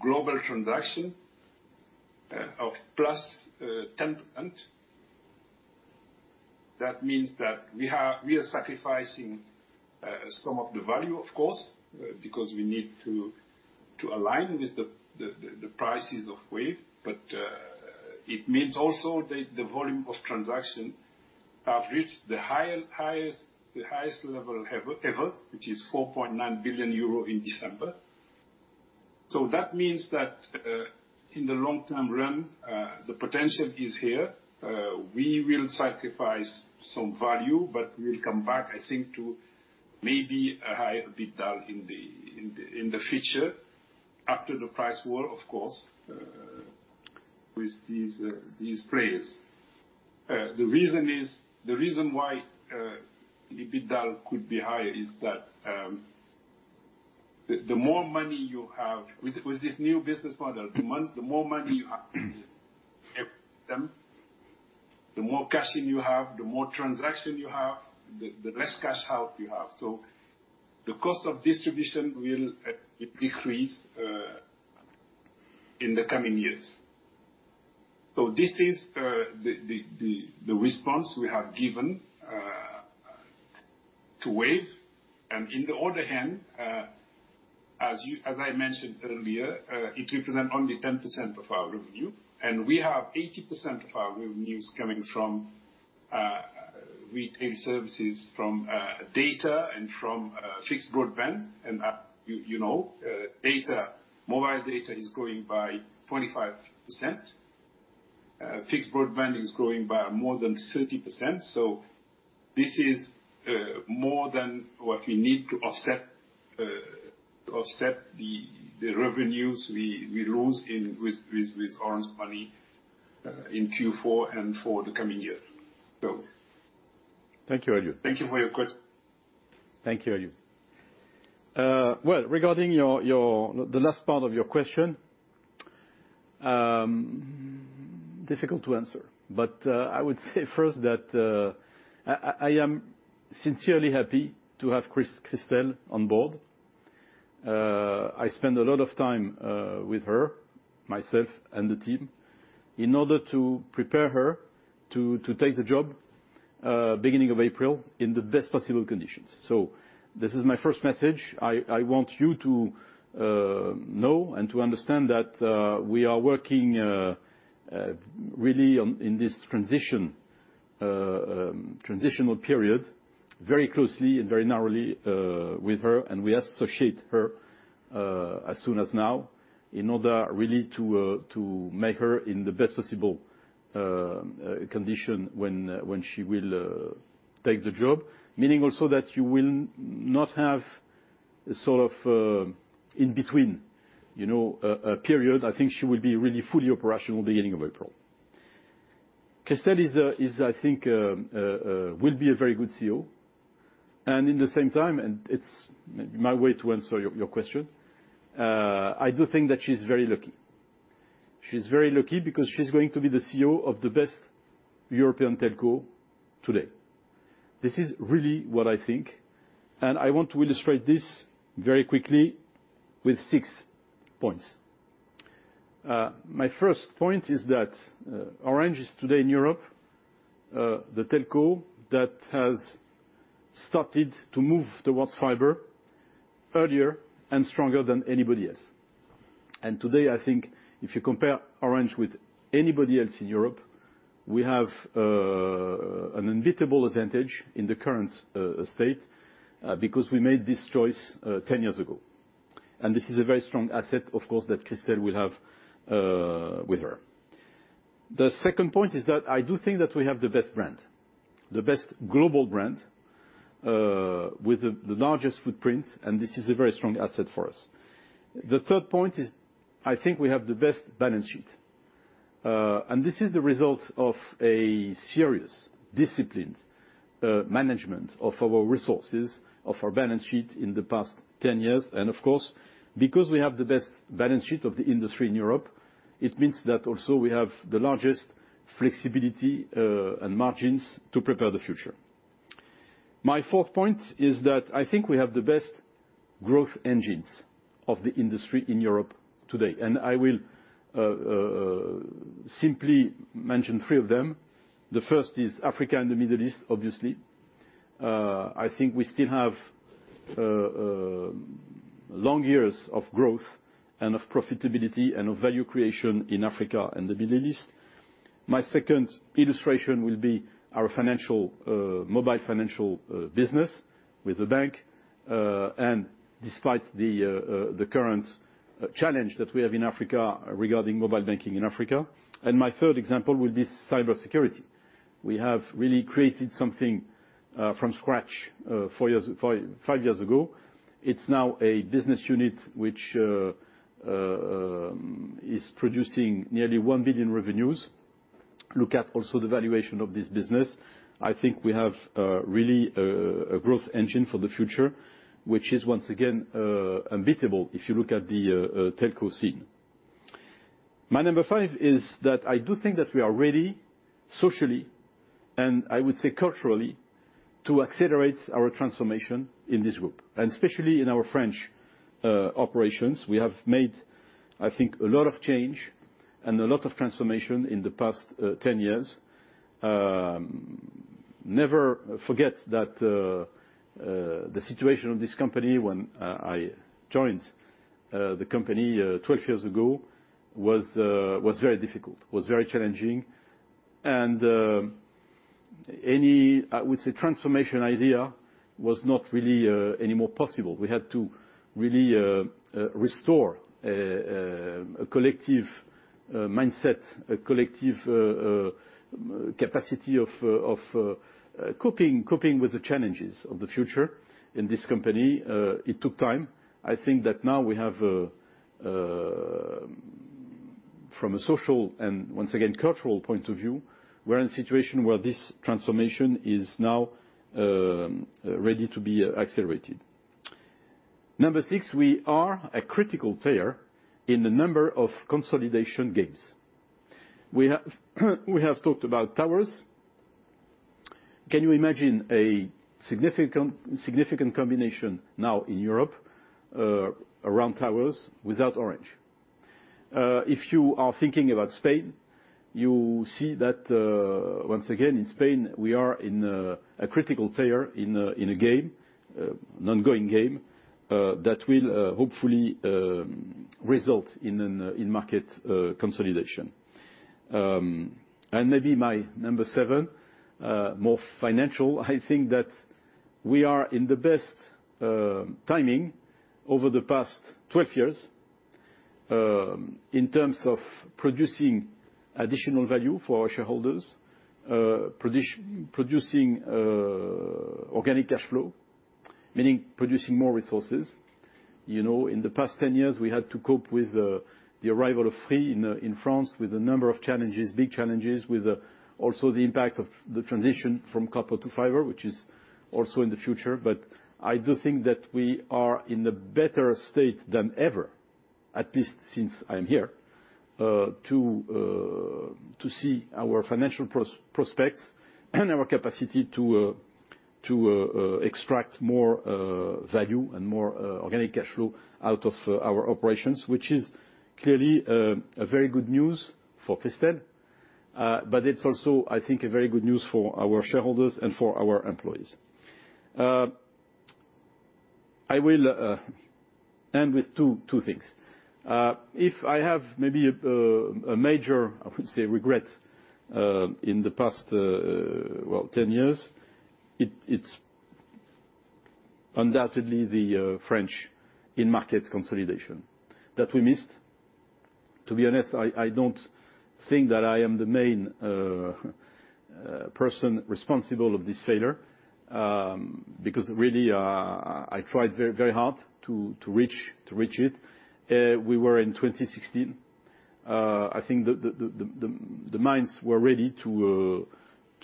global transaction of +10%. That means that we have. We are sacrificing some of the value, of course, because we need to align with the prices of Wave. But it means also that the volume of transaction have reached the highest level ever, which is 4.9 billion euro in December. That means that in the long-term run, the potential is here. We will sacrifice some value, but we'll come back, I think, to maybe a higher EBITDAaL in the future, after the price war, of course, with these players. The reason is. The reason why EBITDAaL could be higher is that the more money you have. With this new business model, the more money you have every time, the more cash in you have, the more transaction you have, the less cash out you have. The cost of distribution will decrease in the coming years. This is the response we have given to Wave. On the other hand, as I mentioned earlier, it represent only 10% of our revenue, and we have 80% of our revenues coming from retail services from data and from fixed broadband. You know, data, mobile data is growing by 25%. Fixed broadband is growing by more than 30%. This is more than what we need to offset the revenues we lose with Orange Money in Q4 and for the coming year. Thank you, Aliouné. Thank you for your question. Thank you, Aliouné. Well, regarding your the last part of your question, difficult to answer. I would say first that I am sincerely happy to have Christel on board. I spend a lot of time with her, myself and the team, in order to prepare her to take the job beginning of April in the best possible conditions. This is my first message. I want you to know and to understand that we are working really in this transitional period very closely and very narrowly with her, and we associate her as soon as now in order really to make her in the best possible condition when she will take the job. Meaning also that you will not have a sort of in between, you know, a period. I think she will be really fully operational beginning of April. Christel is, I think, will be a very good CEO, and in the same time, and it's my way to answer your question, I do think that she's very lucky. She's very lucky because she's going to be the CEO of the best European telco today. This is really what I think, and I want to illustrate this very quickly with six points. My first point is that, Orange is today in Europe, the telco that has started to move towards fiber earlier and stronger than anybody else. Today, I think if you compare Orange with anybody else in Europe, we have an unbeatable advantage in the current state because we made this choice 10 years ago. This is a very strong asset, of course, that Christel will have with her. The second point is that I do think that we have the best brand, the best global brand with the largest footprint, and this is a very strong asset for us. The third point is, I think we have the best balance sheet. This is the result of a serious disciplined management of our resources, of our balance sheet in the past 10 years. Of course, because we have the best balance sheet of the industry in Europe, it means that also we have the largest flexibility and margins to prepare the future. My fourth point is that I think we have the best growth engines of the industry in Europe today, and I will simply mention three of them. The first is Africa and the Middle East, obviously. I think we still have long years of growth and of profitability and of value creation in Africa and the Middle East. My second illustration will be our mobile financial business with the bank. And despite the current challenge that we have in Africa regarding mobile banking in Africa. My third example will be cybersecurity. We have really created something from scratch five years ago. It's now a business unit which is producing nearly 1 billion revenues. Look at also the valuation of this business. I think we have really a growth engine for the future, which is once again unbeatable if you look at the telco scene. My number five is that I do think that we are ready socially, and I would say culturally, to accelerate our transformation in this group, and especially in our French operations. We have made, I think, a lot of change and a lot of transformation in the past 10 years. Never forget that the situation of this company when I joined the company 12 years ago was very difficult, was very challenging and any, I would say, transformation idea was not really anymore possible. We had to really restore a collective mindset, a collective capacity of coping with the challenges of the future in this company. It took time. I think that now we have, from a social and once again, cultural point of view, we're in a situation where this transformation is now ready to be accelerated. Number six, we are a critical player in a number of consolidation games. We have talked about towers. Can you imagine a significant combination now in Europe around towers without Orange? If you are thinking about Spain, you see that once again, in Spain, we are a critical player in a game, an ongoing game that will hopefully result in market consolidation. Maybe my number seven, more financial. I think that we are in the best timing over the past 12 years, in terms of producing additional value for our shareholders, producing organic cash flow, meaning producing more resources. You know, in the past 10 years, we had to cope with the arrival of Free in France with a number of challenges, big challenges, with also the impact of the transition from copper to fiber, which is also in the future. I do think that we are in a better state than ever, at least since I'm here, to see our financial prospects and our capacity to extract more value and more organic cash flow out of our operations, which is clearly a very good news for Christel. It's also, I think, a very good news for our shareholders and for our employees. I will end with two things. If I have maybe a major, I would say, regret in the past, well, 10 years, it's undoubtedly the French in-market consolidation that we missed. To be honest, I don't think that I am the main person responsible of this failure, because really, I tried very hard to reach it. We were in 2016. I think the minds were ready to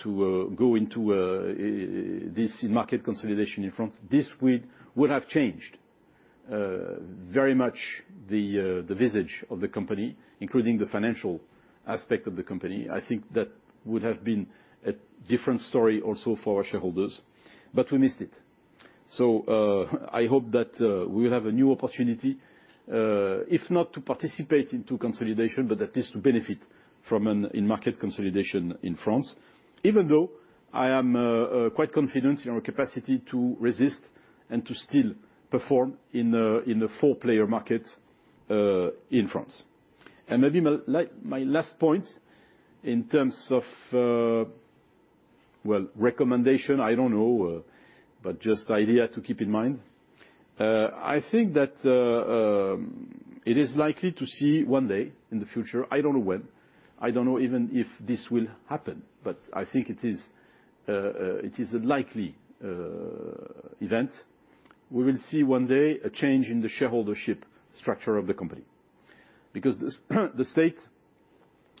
go into this in-market consolidation in France. This would have changed very much the visage of the company, including the financial aspect of the company. I think that would have been a different story also for our shareholders, but we missed it. I hope that we will have a new opportunity if not to participate into consolidation, but at least to benefit from an in-market consolidation in France. Even though I am quite confident in our capacity to resist and to still perform in a four-player market in France. Maybe my last point in terms of recommendation, I don't know, but just idea to keep in mind. I think that it is likely to see one day in the future. I don't know when, I don't know even if this will happen, but I think it is a likely event. We will see one day a change in the shareholdership structure of the company. Because this, the state,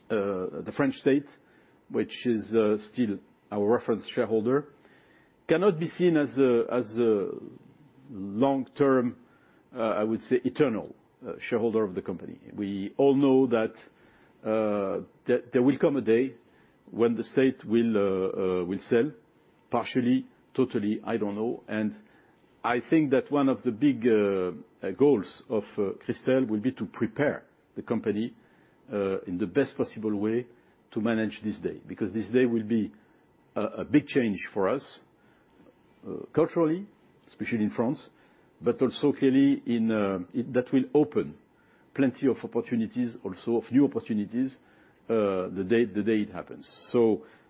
the French state, which is still our reference shareholder cannot be seen as a long-term, I would say eternal shareholder of the company. We all know that there will come a day when the state will sell partially, totally, I don't know. I think that one of the big goals of Christel will be to prepare the company in the best possible way to manage this day, because this day will be a big change for us, culturally, especially in France, but also clearly in that will open plenty of opportunities also of new opportunities, the day it happens.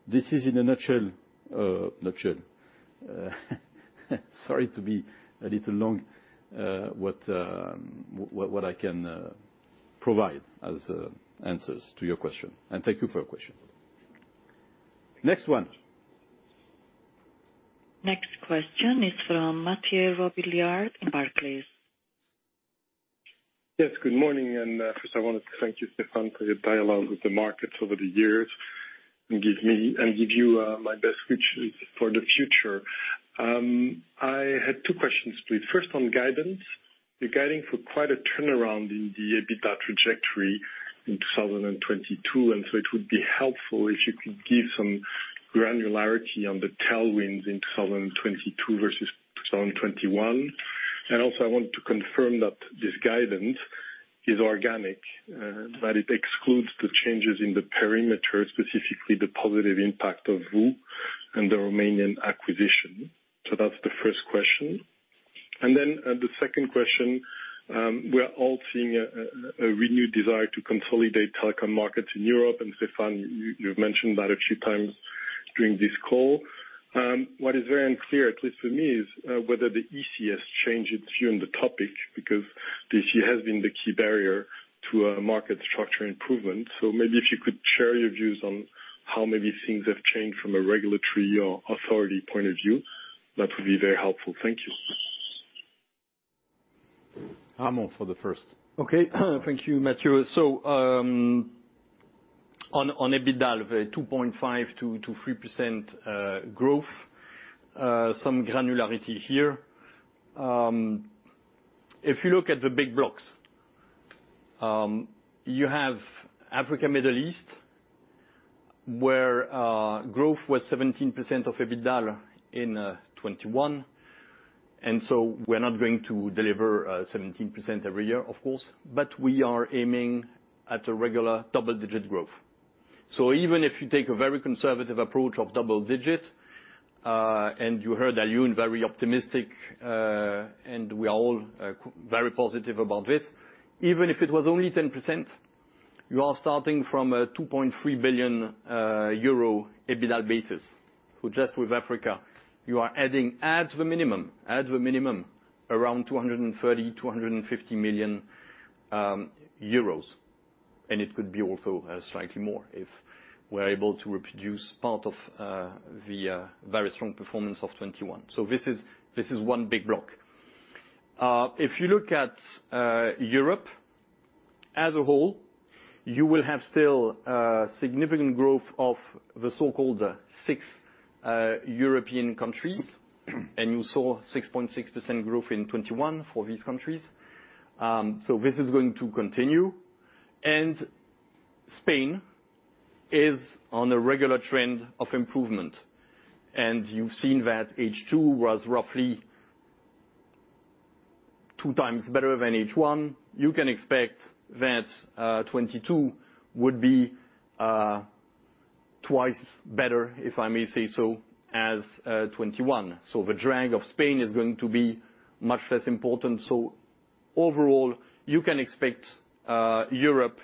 This is in a nutshell. Sorry to be a little long, what I can provide as answers to your question, and thank you for your question. Next one. Next question is from Mathieu Robilliard in Barclays. Yes, good morning. First I wanted to thank you, Stéphane, for your dialogue with the markets over the years and give you my best wishes for the future. I had two questions, please. First, on guidance. You're guiding for quite a turnaround in the EBITDA trajectory in 2022, and so it would be helpful if you could give some granularity on the tailwinds in 2022 versus 2021. I want to confirm that this guidance is organic, that it excludes the changes in the perimeter, specifically the positive impact of VOO and the Romanian acquisition. So that's the first question. The second question, we're all seeing a renewed desire to consolidate telecom markets in Europe. Stéphane, you've mentioned that a few times during this call. What is very unclear, at least for me, is whether the EC has changed its view on the topic because the EC has been the key barrier to a market structure improvement. Maybe if you could share your views on how maybe things have changed from a regulatory authorities point of view, that would be very helpful. Thank you. Ramon for the first. Okay. Thank you, Mathieu. On EBITDA, the 2.5%-3% growth, some granularity here. If you look at the big blocks, you have Africa, Middle East, where growth was 17% of EBITDAaL in 2021. We're not going to deliver 17% every year, of course, but we are aiming at a regular double-digit growth. Even if you take a very conservative approach of double-digit, and you heard Aliouné very optimistic, and we are all very positive about this. Even if it was only 10%, you are starting from a 2.3 billion euro EBITDAaL basis. Just with Africa, you are adding at the minimum around 230 million-250 million euros. It could be also slightly more if we're able to reproduce part of the very strong performance of 2021. This is one big block. If you look at Europe as a whole, you will have still significant growth of the so-called six European countries, and you saw 6.6% growth in 2021 for these countries. This is going to continue. Spain is on a regular trend of improvement. You've seen that H2 was roughly two times better than H1. You can expect that 2022 would be twice better, if I may say so, as 2021. The drag of Spain is going to be much less important. Overall, you can expect Europe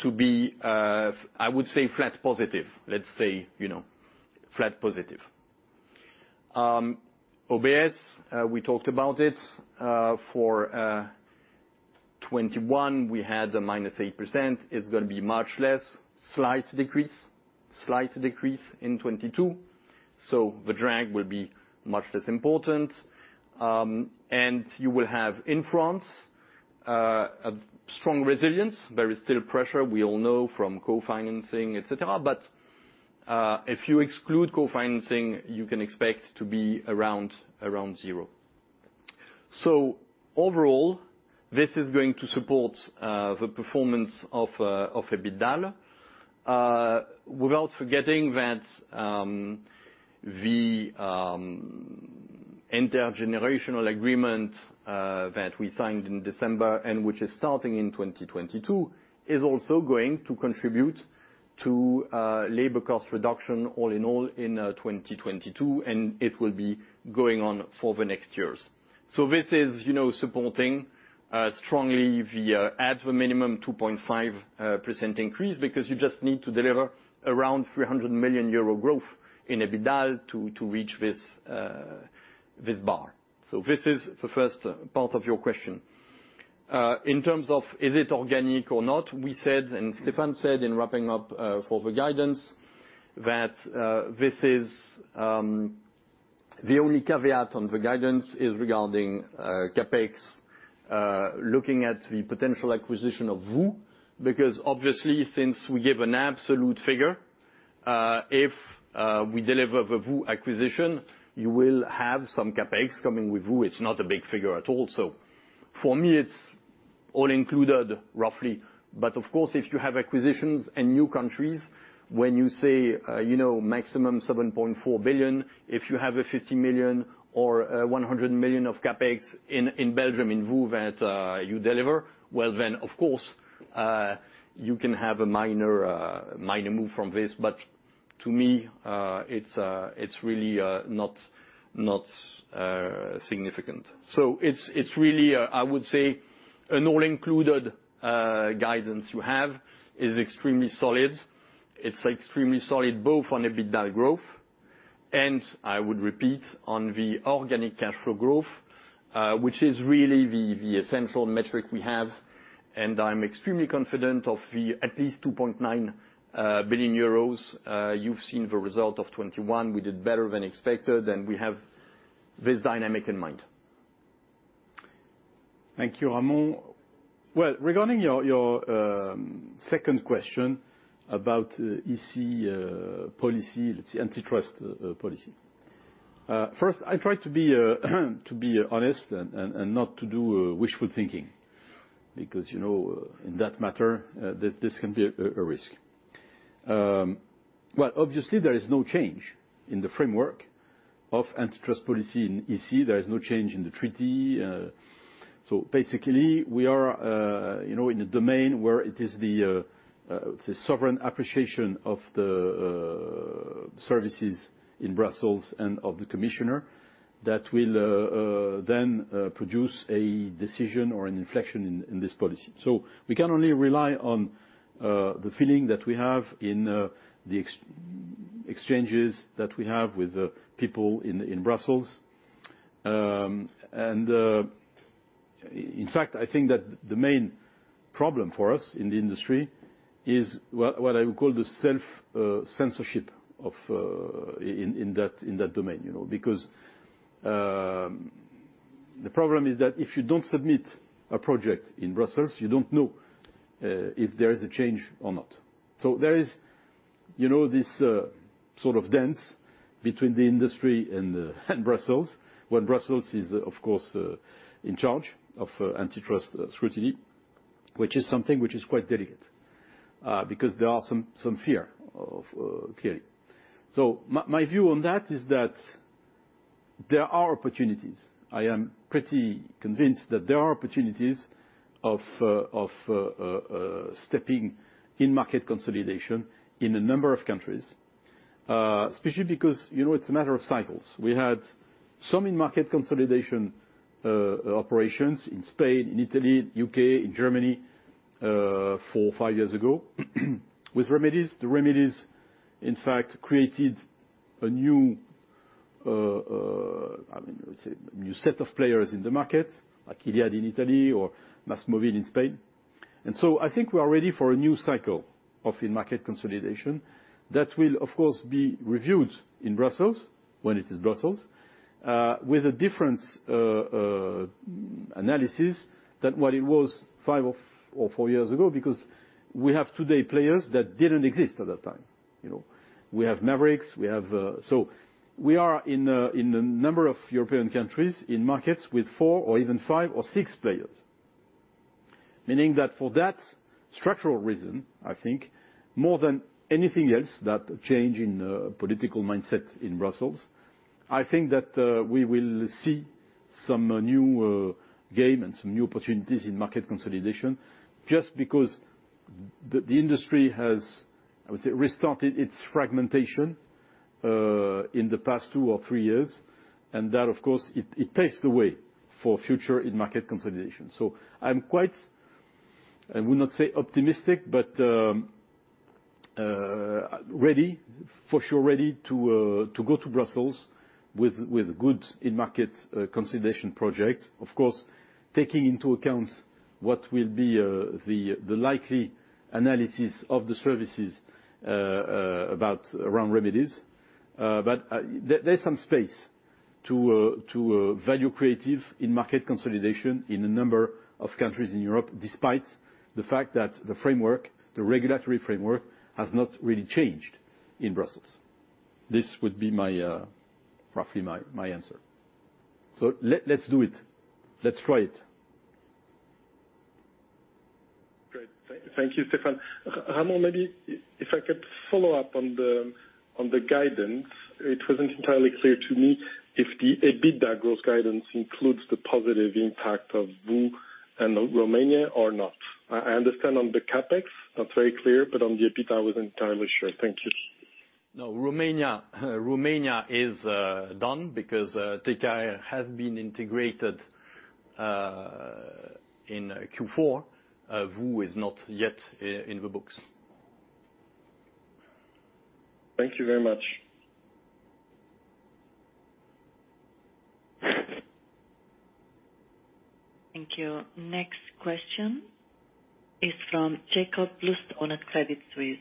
to be I would say flat positive, let's say, you know, flat positive. OBS, we talked about it for 2021, we had -8%. It's gonna be much less, slight decrease in 2022. The drag will be much less important. You will have in France a strong resilience. There is still pressure, we all know from co-financing, etc. If you exclude co-financing, you can expect to be around zero. Overall, this is going to support the performance of EBITDAaL, without forgetting that the intergenerational agreement that we signed in December and which is starting in 2022 is also going to contribute to labor cost reduction all in all in 2022, and it will be going on for the next years. This is, you know, supporting strongly the at the minimum 2.5% increase because you just need to deliver around 300 million euro growth in EBITDAaL to reach this bar. This is the first part of your question. In terms of is it organic or not, we said, and Stéphane said in wrapping up, for the guidance that this is the only caveat on the guidance is regarding CapEx, looking at the potential acquisition of VOO, because obviously, since we gave an absolute figure, if we deliver the VOO acquisition, you will have some CapEx coming with VOO. It's not a big figure at all. For me, it's all included roughly. Of course, if you have acquisitions in new countries, when you say, you know, maximum 7.4 billion, if you have a 50 million or 100 million of CapEx in Belgium, in VOO that you deliver, well then, of course, you can have a minor move from this. To me, it's really not significant. It's really, I would say an all-included guidance you have is extremely solid. It's extremely solid both on EBITDAaL growth and I would repeat, on the organic cash flow growth, which is really the essential metric we have. I'm extremely confident of the at least 2.9 billion euros. You've seen the result of 2021. We did better than expected, and we have this dynamic in mind. Thank you, Ramon. Well, regarding your second question about EC policy, the antitrust policy. First, I try to be honest and not to do wishful thinking, because, you know, in that matter, this can be a risk. Well, obviously there is no change in the framework of antitrust policy in EC. There is no change in the treaty. Basically, we are, you know, in a domain where it is the sovereign appreciation of the services in Brussels and of the commissioner that will then produce a decision or an inflection in this policy. We can only rely on the feeling that we have in the exchanges that we have with the people in Brussels. In fact, I think that the main problem for us in the industry is what I would call the self-censorship in that domain, you know. Because the problem is that if you don't submit a project in Brussels, you don't know if there is a change or not. There is, you know, this sort of dance between the industry and Brussels, when Brussels is, of course, in charge of antitrust scrutiny, which is something which is quite delicate, because there are some fear of clearly. My view on that is that there are opportunities. I am pretty convinced that there are opportunities of stepping in-market consolidation in a number of countries, especially because, you know, it's a matter of cycles. We had some in-market consolidation operations in Spain, in Italy, U.K., in Germany, four or five years ago with remedies. The remedies, in fact, created a new, I mean, let's say a new set of players in the market, like Iliad in Italy or MÁSMÓVIL in Spain. I think we are ready for a new cycle of in-market consolidation that will, of course, be reviewed in Brussels, when it is Brussels, with a different analysis than what it was five or four years ago, because we have today players that didn't exist at that time. You know, we have mavericks. We are in a number of European countries in markets with four or even five or six players. Meaning that for that structural reason, I think more than anything else, that change in political mindset in Brussels, I think that we will see some new game and some new opportunities in market consolidation just because the industry has, I would say, restarted its fragmentation in the past two or three years. That, of course, paves the way for future in-market consolidation. I'm quite. I would not say optimistic, but ready for sure to go to Brussels with good in-market consolidation projects. Of course, taking into account what will be the likely analysis of the services about remedies. There's some space to value creative in-market consolidation in a number of countries in Europe, despite the fact that the framework, the regulatory framework has not really changed in Brussels. This would be roughly my answer. Let's do it. Let's try it. Great. Thank you, Stéphane. Ramon, maybe if I could follow up on the guidance. It wasn't entirely clear to me if the EBITDA growth guidance includes the positive impact of VOO and Romania or not. I understand on the CapEx, that's very clear, but on the EBITDA, I wasn't entirely sure. Thank you. No, Romania is done because TKR has been integrated in Q4. VOO is not yet in the books. Thank you very much. Thank you. Next question is from Jakob Bluestone on Credit Suisse.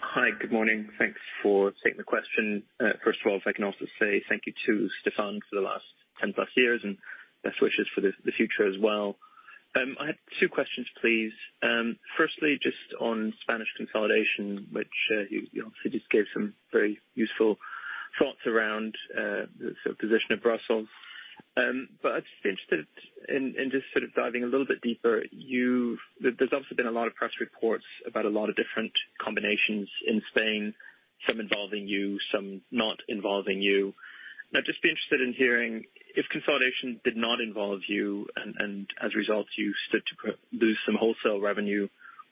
Hi, good morning. Thanks for taking the question. First of all, if I can also say thank you to Stéphane for the last 10+ years, and best wishes for the future as well. I had two questions, please. Firstly, just on Spanish consolidation, which you obviously just gave some very useful thoughts around, the sort of position of Brussels. I'd just be interested in just sort of diving a little bit deeper. There's obviously been a lot of press reports about a lot of different combinations in Spain, some involving you, some not involving you. I'd just be interested in hearing, if consolidation did not involve you and as a result, you stood to lose some wholesale revenue,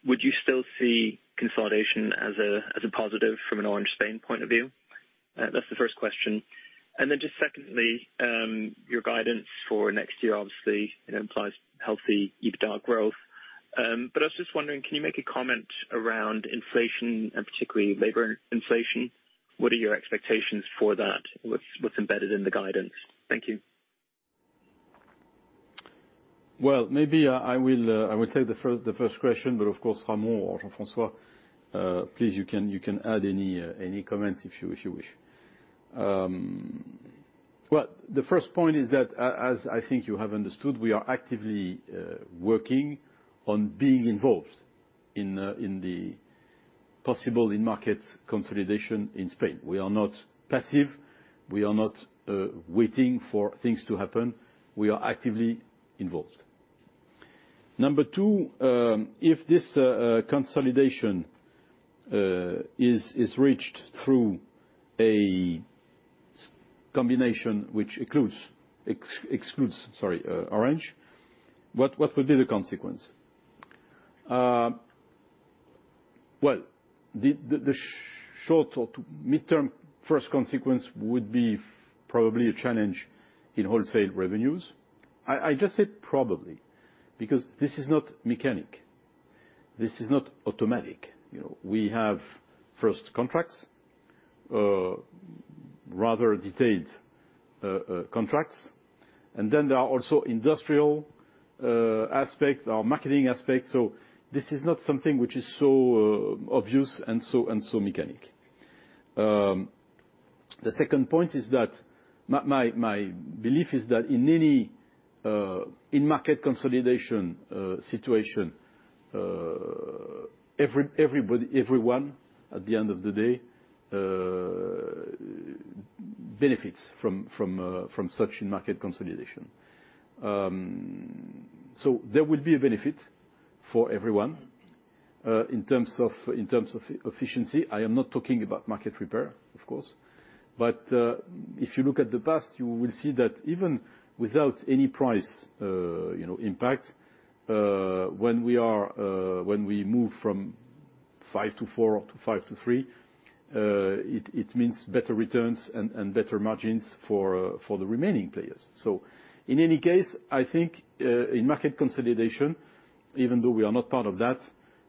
would you still see consolidation as a positive from an Orange Spain point of view? That's the first question. Just secondly, your guidance for next year, obviously, it implies healthy EBITDA growth. I was just wondering, can you make a comment around inflation and particularly labor inflation? What are your expectations for that? What's embedded in the guidance? Thank you. Well, maybe I will take the first question, but of course, Ramon or Jean-François, please, you can add any comments if you wish. Well, the first point is that as I think you have understood, we are actively working on being involved in the possible in-market consolidation in Spain. We are not passive. We are not waiting for things to happen. We are actively involved. Number two, if this consolidation is reached through a combination which excludes, sorry, Orange, what would be the consequence? Well, the short or to mid-term first consequence would be probably a challenge in wholesale revenues. I just said probably, because this is not mechanical, this is not automatic. You know, we have first contracts, rather detailed contracts, and then there are also industrial aspect or marketing aspects. This is not something which is so obvious and so mechanical. The second point is that my belief is that in any in-market consolidation situation, everyone at the end of the day benefits from such in-market consolidation. There will be a benefit for everyone in terms of efficiency. I am not talking about market repair, of course. If you look at the past, you will see that even without any price, you know, impact, when we move from five to four or to five to three, it means better returns and better margins for the remaining players. In any case, I think in-market consolidation, even though we are not part of that,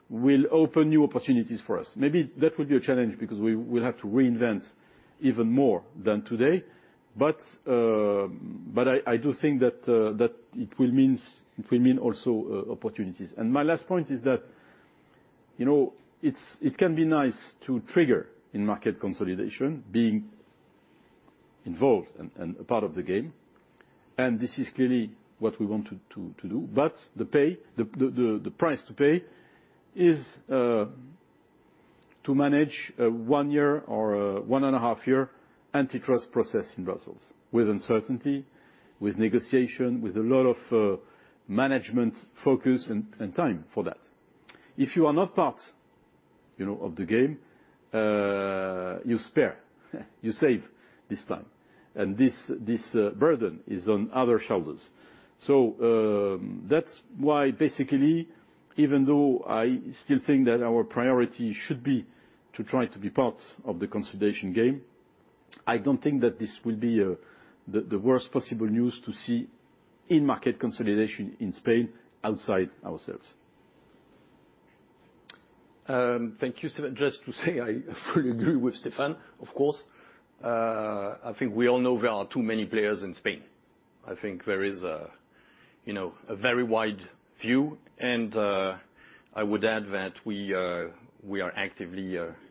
will open new opportunities for us. Maybe that would be a challenge because we will have to reinvent even more than today. I do think that it will mean also opportunities. My last point is that, you know, it can be nice to trigger in-market consolidation, being involved and a part of the game. This is clearly what we want to do. The price to pay is to manage a one-year or a 1.5-year antitrust process in Brussels with uncertainty, with negotiation, with a lot of management focus and time for that. If you are not part, you know, of the game, you save this time, and this burden is on other shoulders. That's why basically, even though I still think that our priority should be to try to be part of the consolidation game, I don't think that this will be the worst possible news to see in-market consolidation in Spain outside ourselves. Thank you. Just to say I fully agree with Stéphane, of course. I think we all know there are too many players in Spain. I think there is a you know a very wide view and I would add that we are actively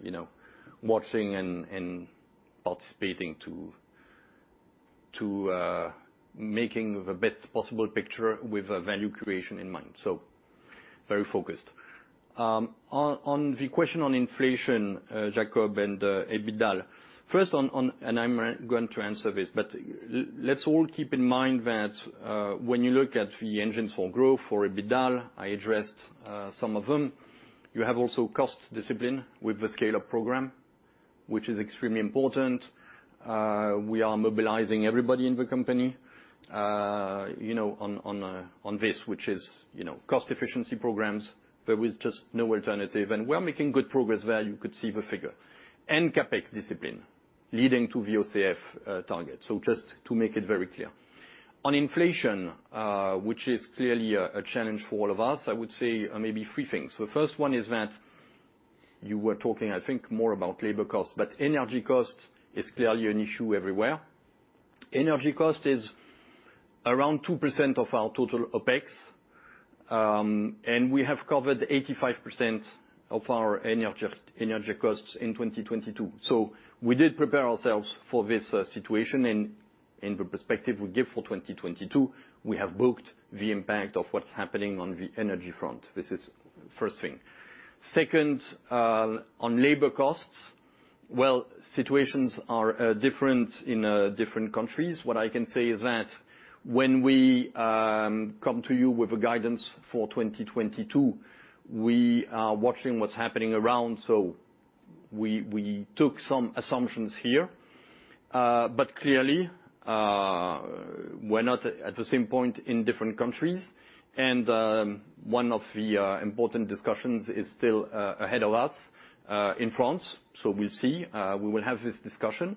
you know watching and participating to making the best possible picture with value creation in mind. Very focused. On the question on inflation, Jakob, and EBITDAaL, first on and I'm going to answer this, but let's all keep in mind that when you look at the engines for growth, for EBITDAaL, I addressed some of them. You have also cost discipline with the Scale Up program, which is extremely important. We are mobilizing everybody in the company, you know, on this, which is, you know, cost efficiency programs. There is just no alternative. We are making good progress where you could see the figure and CapEx discipline leading to the OCF target. Just to make it very clear. On inflation, which is clearly a challenge for all of us, I would say, maybe three things. The first one is that you were talking, I think, more about labor costs, but energy cost is clearly an issue everywhere. Energy cost is around 2% of our total OpEx. We have covered 85% of our energy costs in 2022. We did prepare ourselves for this situation. In the perspective we give for 2022, we have booked the impact of what's happening on the energy front. This is first thing. Second, on labor costs. Well, situations are different in different countries. What I can say is that when we come to you with a guidance for 2022, we are watching what's happening around, so we took some assumptions here. But clearly, we're not at the same point in different countries. One of the important discussions is still ahead of us in France. So we'll see. We will have this discussion.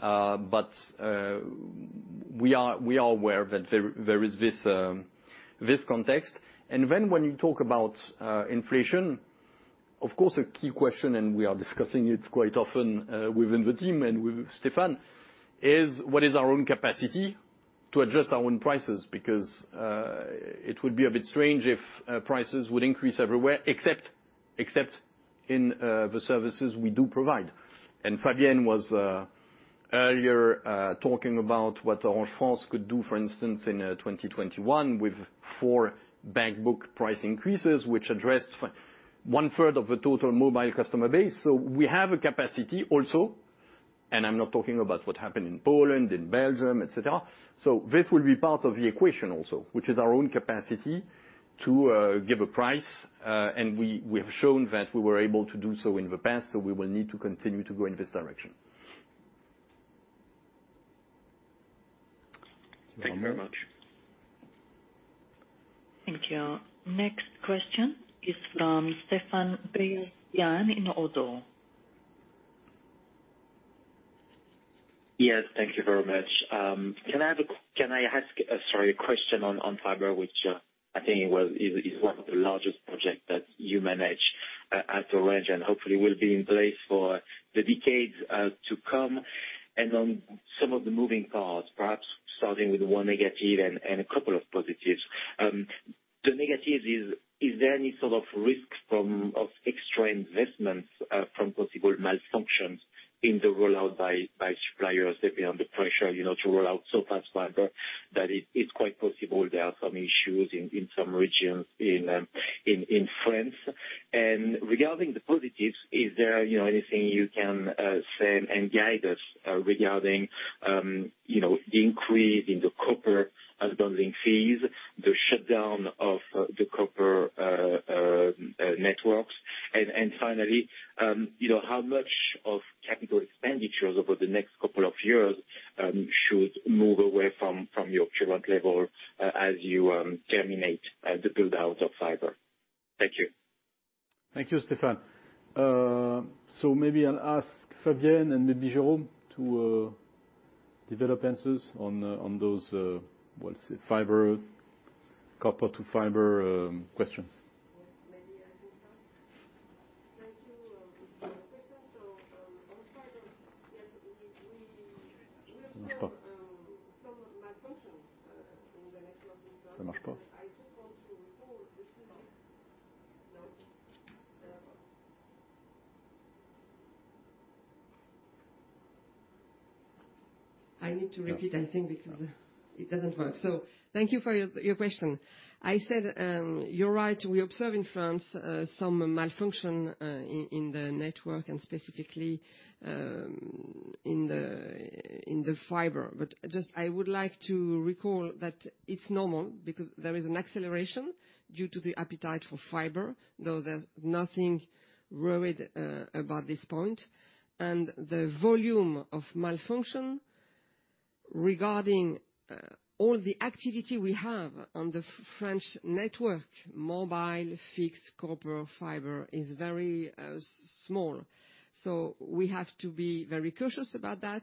But we are aware that there is this context. When you talk about inflation, of course, a key question, and we are discussing it quite often within the team and with Stéphane, is what is our own capacity to adjust our own prices? Because it would be a bit strange if prices would increase everywhere except in the services we do provide. Fabienne was earlier talking about what Orange France could do, for instance, in 2021 with four back book price increases, which addressed one third of the total mobile customer base. We have a capacity also, and I'm not talking about what happened in Poland, in Belgium, et cetera. This will be part of the equation also, which is our own capacity to give a price. We have shown that we were able to do so in the past, so we will need to continue to go in this direction. Thank you very much. Thank you. Next question is from Stéphane Beyazian in ODDO. Yes, thank you very much. Can I ask, sorry, a question on fiber, which I think is one of the largest project that you manage at Orange and hopefully will be in place for the decades to come. On some of the moving parts, perhaps starting with one negative and a couple of positives. The negative is there any sort of risk of extra investments from possible malfunctions in the rollout by suppliers? They're under pressure to roll out so fast fiber that it's quite possible there are some issues in some regions in France. Regarding the positives, is there, you know, anything you can say and guide us regarding, you know, the increase in the copper unbundling fees, the shutdown of the copper networks? Finally, you know, how much of capital expenditures over the next couple of years should move away from your current level as you terminate the build-out of fiber? Thank you. Thank you, Stéphane. Maybe I'll ask Fabienne and maybe Jérôme to develop answers on those fibers, copper to fiber questions. Yes. Maybe I can start. Thank you for your question. On fiber, yes, we observe some malfunction in the network in France. You're right. We observe in France some malfunction in the network and specifically in the fiber. I would like to recall that it's normal because there is an acceleration due to the appetite for fiber, though there's nothing worried about this point. The volume of malfunction regarding all the activity we have on the French network, mobile, fixed, copper, fiber, is very small. We have to be very cautious about that.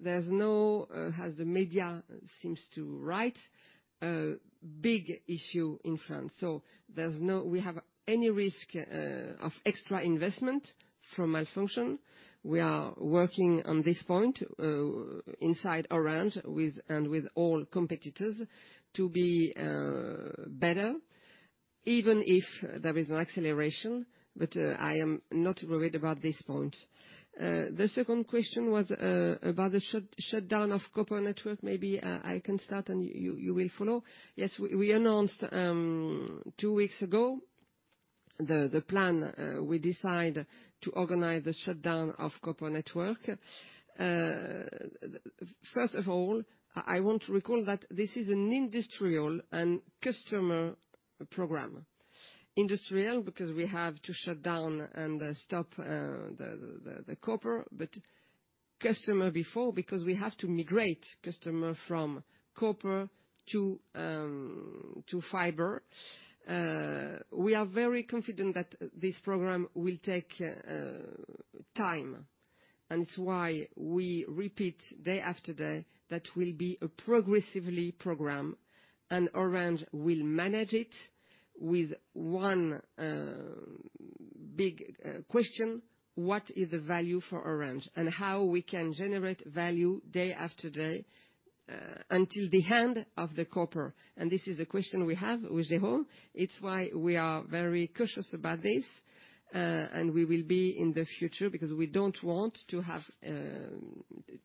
There's no, as the media seems to write, a big issue in France. We have no risk of extra investment from malfunction. We are working on this point inside Orange with all competitors to be better, even if there is an acceleration. I am not worried about this point. The second question was about the shutdown of copper network. Maybe I can start, and you will follow. Yes. We announced two weeks ago the plan we decide to organize the shutdown of copper network. First of all, I want to recall that this is an industrial and customer program. Industrial because we have to shut down and stop the copper. Customer before because we have to migrate customer from copper to fiber. We are very confident that this program will take time, and it's why we repeat day after day that it will be a progressive program, and Orange will manage it with one. Big question: what is the value for Orange and how we can generate value day after day, until the end of the copper? This is a question we have with the whole. It's why we are very cautious about this, and we will be in the future because we don't want to have.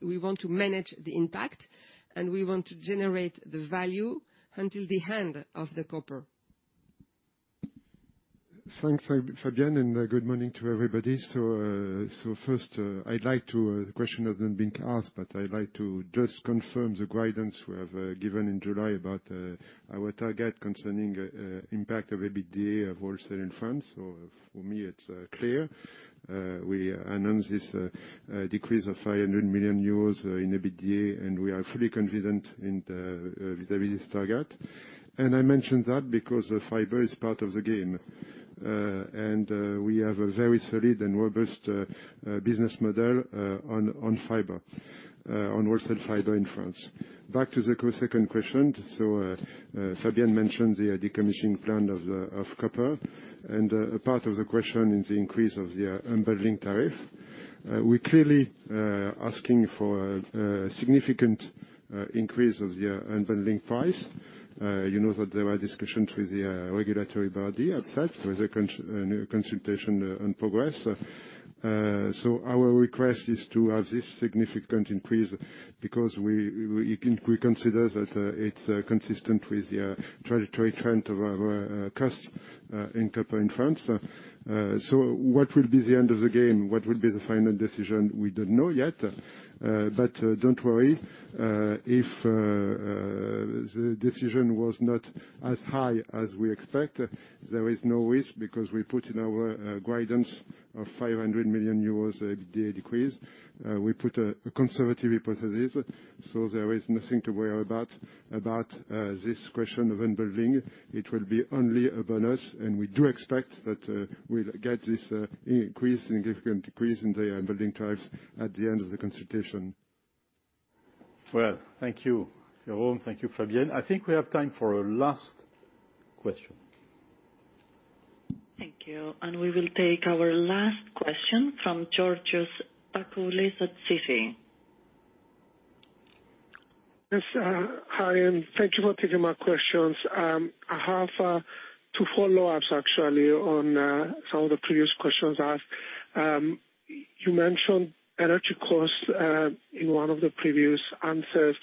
We want to manage the impact, and we want to generate the value until the end of the copper. Thanks, Fabienne, and good morning to everybody. First, I'd like to the question has been being asked, but I'd like to just confirm the guidance we have given in July about our target concerning impact of EBITDA of wholesale in France. For me, it's clear. We announced this decrease of 500 million euros in EBITDA, and we are fully confident in with this target. I mention that because the fiber is part of the game, and we have a very solid and robust business model on fiber on wholesale fiber in France. Back to the second question. Fabienne mentioned the decommissioning plan of the copper, and a part of the question is the increase of the unbundling tariff. We're clearly asking for a significant increase of the unbundling price. You know that there are discussions with the regulatory body ARCEP with a consultation in progress. Our request is to have this significant increase because we consider that it's consistent with the trajectory trend of our costs in copper in France. What will be the end of the game? What will be the final decision? We don't know yet. Don't worry. If the decision was not as high as we expect, there is no risk because we put in our guidance of 500 million euros EBITDA decrease. We put a conservative hypothesis, so there is nothing to worry about this question of unbundling. It will be only a bonus, and we do expect that we'll get this significant increase in the unbundling tariffs at the end of the consultation. Well, thank you, Jérôme. Thank you, Fabienne. I think we have time for a last question. Thank you. We will take our last question from Georgios Ierodiaconou at Citi. Yes, hi, and thank you for taking my questions. I have two follow-ups actually on some of the previous questions asked. You mentioned energy costs in one of the previous answers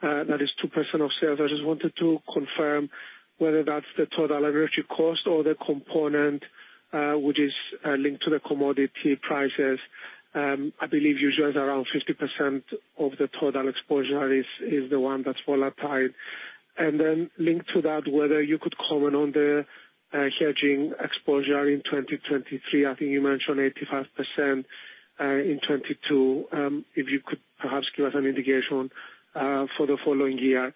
that is 2% of sales. I just wanted to confirm whether that's the total energy cost or the component which is linked to the commodity prices. I believe usually around 50% of the total exposure is the one that's volatile. Linked to that, whether you could comment on the hedging exposure in 2023. I think you mentioned 85% in 2022. If you could perhaps give us an indication for the following year.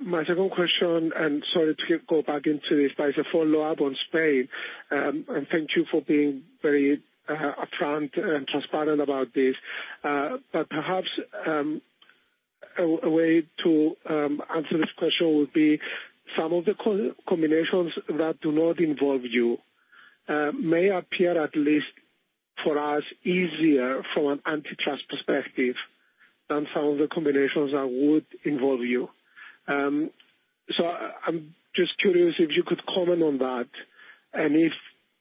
My second question, and sorry to go back into this, but it's a follow-up on Spain. Thank you for being very upfront and transparent about this. Perhaps a way to answer this question would be some of the combinations that do not involve you may appear, at least for us, easier from an antitrust perspective than some of the combinations that would involve you. I'm just curious if you could comment on that and if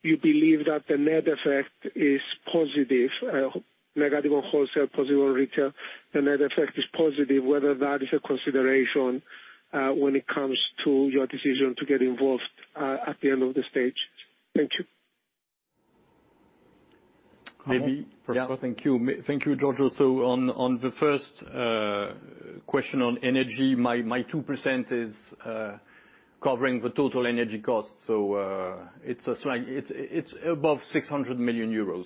you believe that the net effect is positive or negative on wholesale, positive on retail, the net effect is positive, whether that is a consideration when it comes to your decision to get involved at the end of the stage. Thank you. Maybe- Thank you, Georgios. On the first question on energy, my 2% is covering the total energy cost. It's slightly above 600 million euros,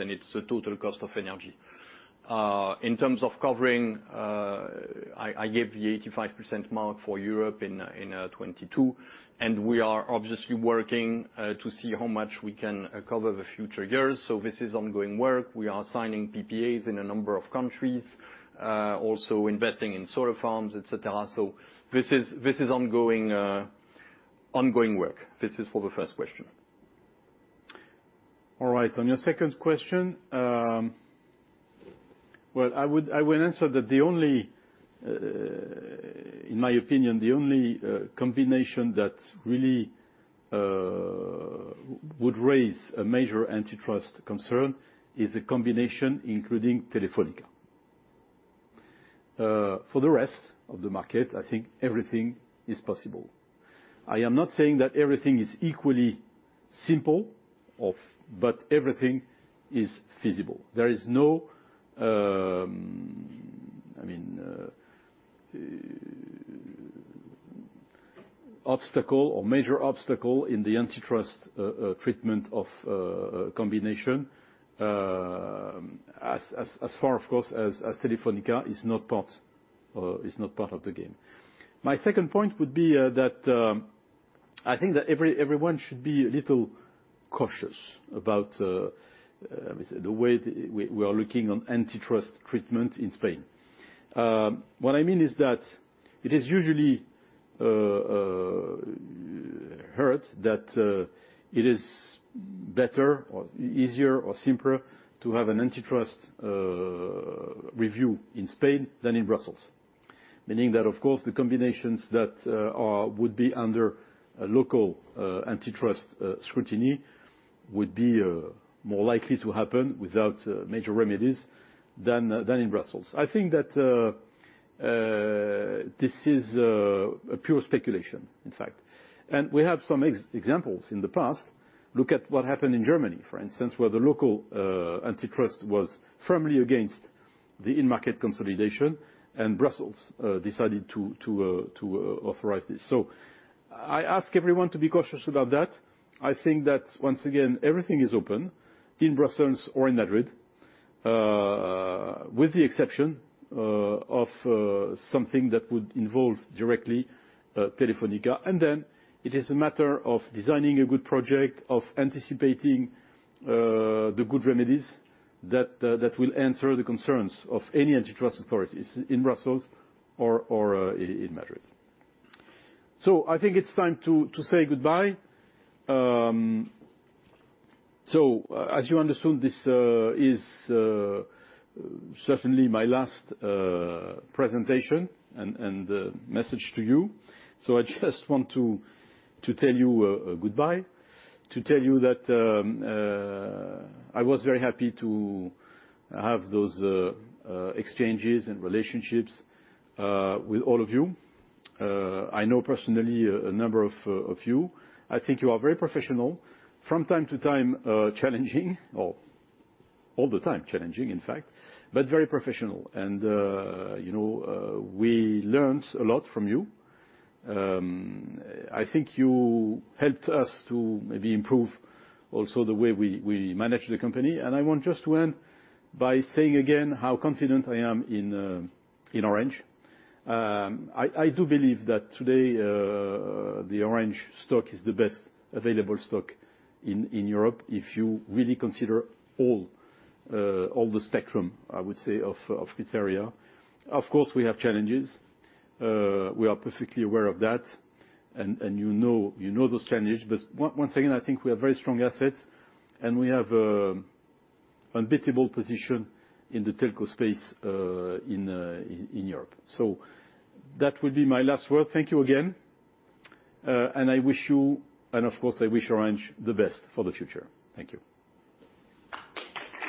and it's the total cost of energy. In terms of covering, I gave the 85% mark for Europe in 2022, and we are obviously working to see how much we can cover the future years. This is ongoing work. We are signing PPAs in a number of countries, also investing in solar farms, et cetera. This is ongoing work. This is for the first question. All right. On your second question, well, I will answer that the only, in my opinion, combination that really would raise a major antitrust concern is a combination including Telefónica. For the rest of the market, I think everything is possible. I am not saying that everything is equally simple, but everything is feasible. There is no, I mean, obstacle or major obstacle in the antitrust treatment of a combination, as far, of course, as Telefónica is not part of the game. My second point would be that I think that everyone should be a little Cautious about the way we are looking at antitrust treatment in Spain. What I mean is that it is usually heard that it is better or easier or simpler to have an antitrust review in Spain than in Brussels. Meaning that, of course, the combinations that would be under a local antitrust scrutiny would be more likely to happen without major remedies than in Brussels. I think that this is a pure speculation in fact. We have some examples in the past. Look at what happened in Germany, for instance, where the local antitrust was firmly against the in-market consolidation, and Brussels decided to authorize this. I ask everyone to be cautious about that. I think that once again, everything is open in Brussels or in Madrid, with the exception of something that would involve directly Telefónica. It is a matter of designing a good project, of anticipating the good remedies that will answer the concerns of any antitrust authorities in Brussels or in Madrid. I think it's time to say goodbye. As you understand, this is certainly my last presentation and message to you. I just want to tell you goodbye, to tell you that I was very happy to have those exchanges and relationships with all of you. I know personally a number of you. I think you are very professional. From time to time, challenging or all the time challenging, in fact, but very professional. You know, we learned a lot from you. I think you helped us to maybe improve also the way we manage the company. I want just to end by saying again how confident I am in Orange. I do believe that today, the Orange stock is the best available stock in Europe, if you really consider all the spectrum, I would say, of criteria. Of course, we have challenges. We are perfectly aware of that. You know those challenges. Once again, I think we have very strong assets, and we have unbeatable position in the telco space in Europe. That would be my last word. Thank you again. Of course I wish Orange the best for the future. Thank you.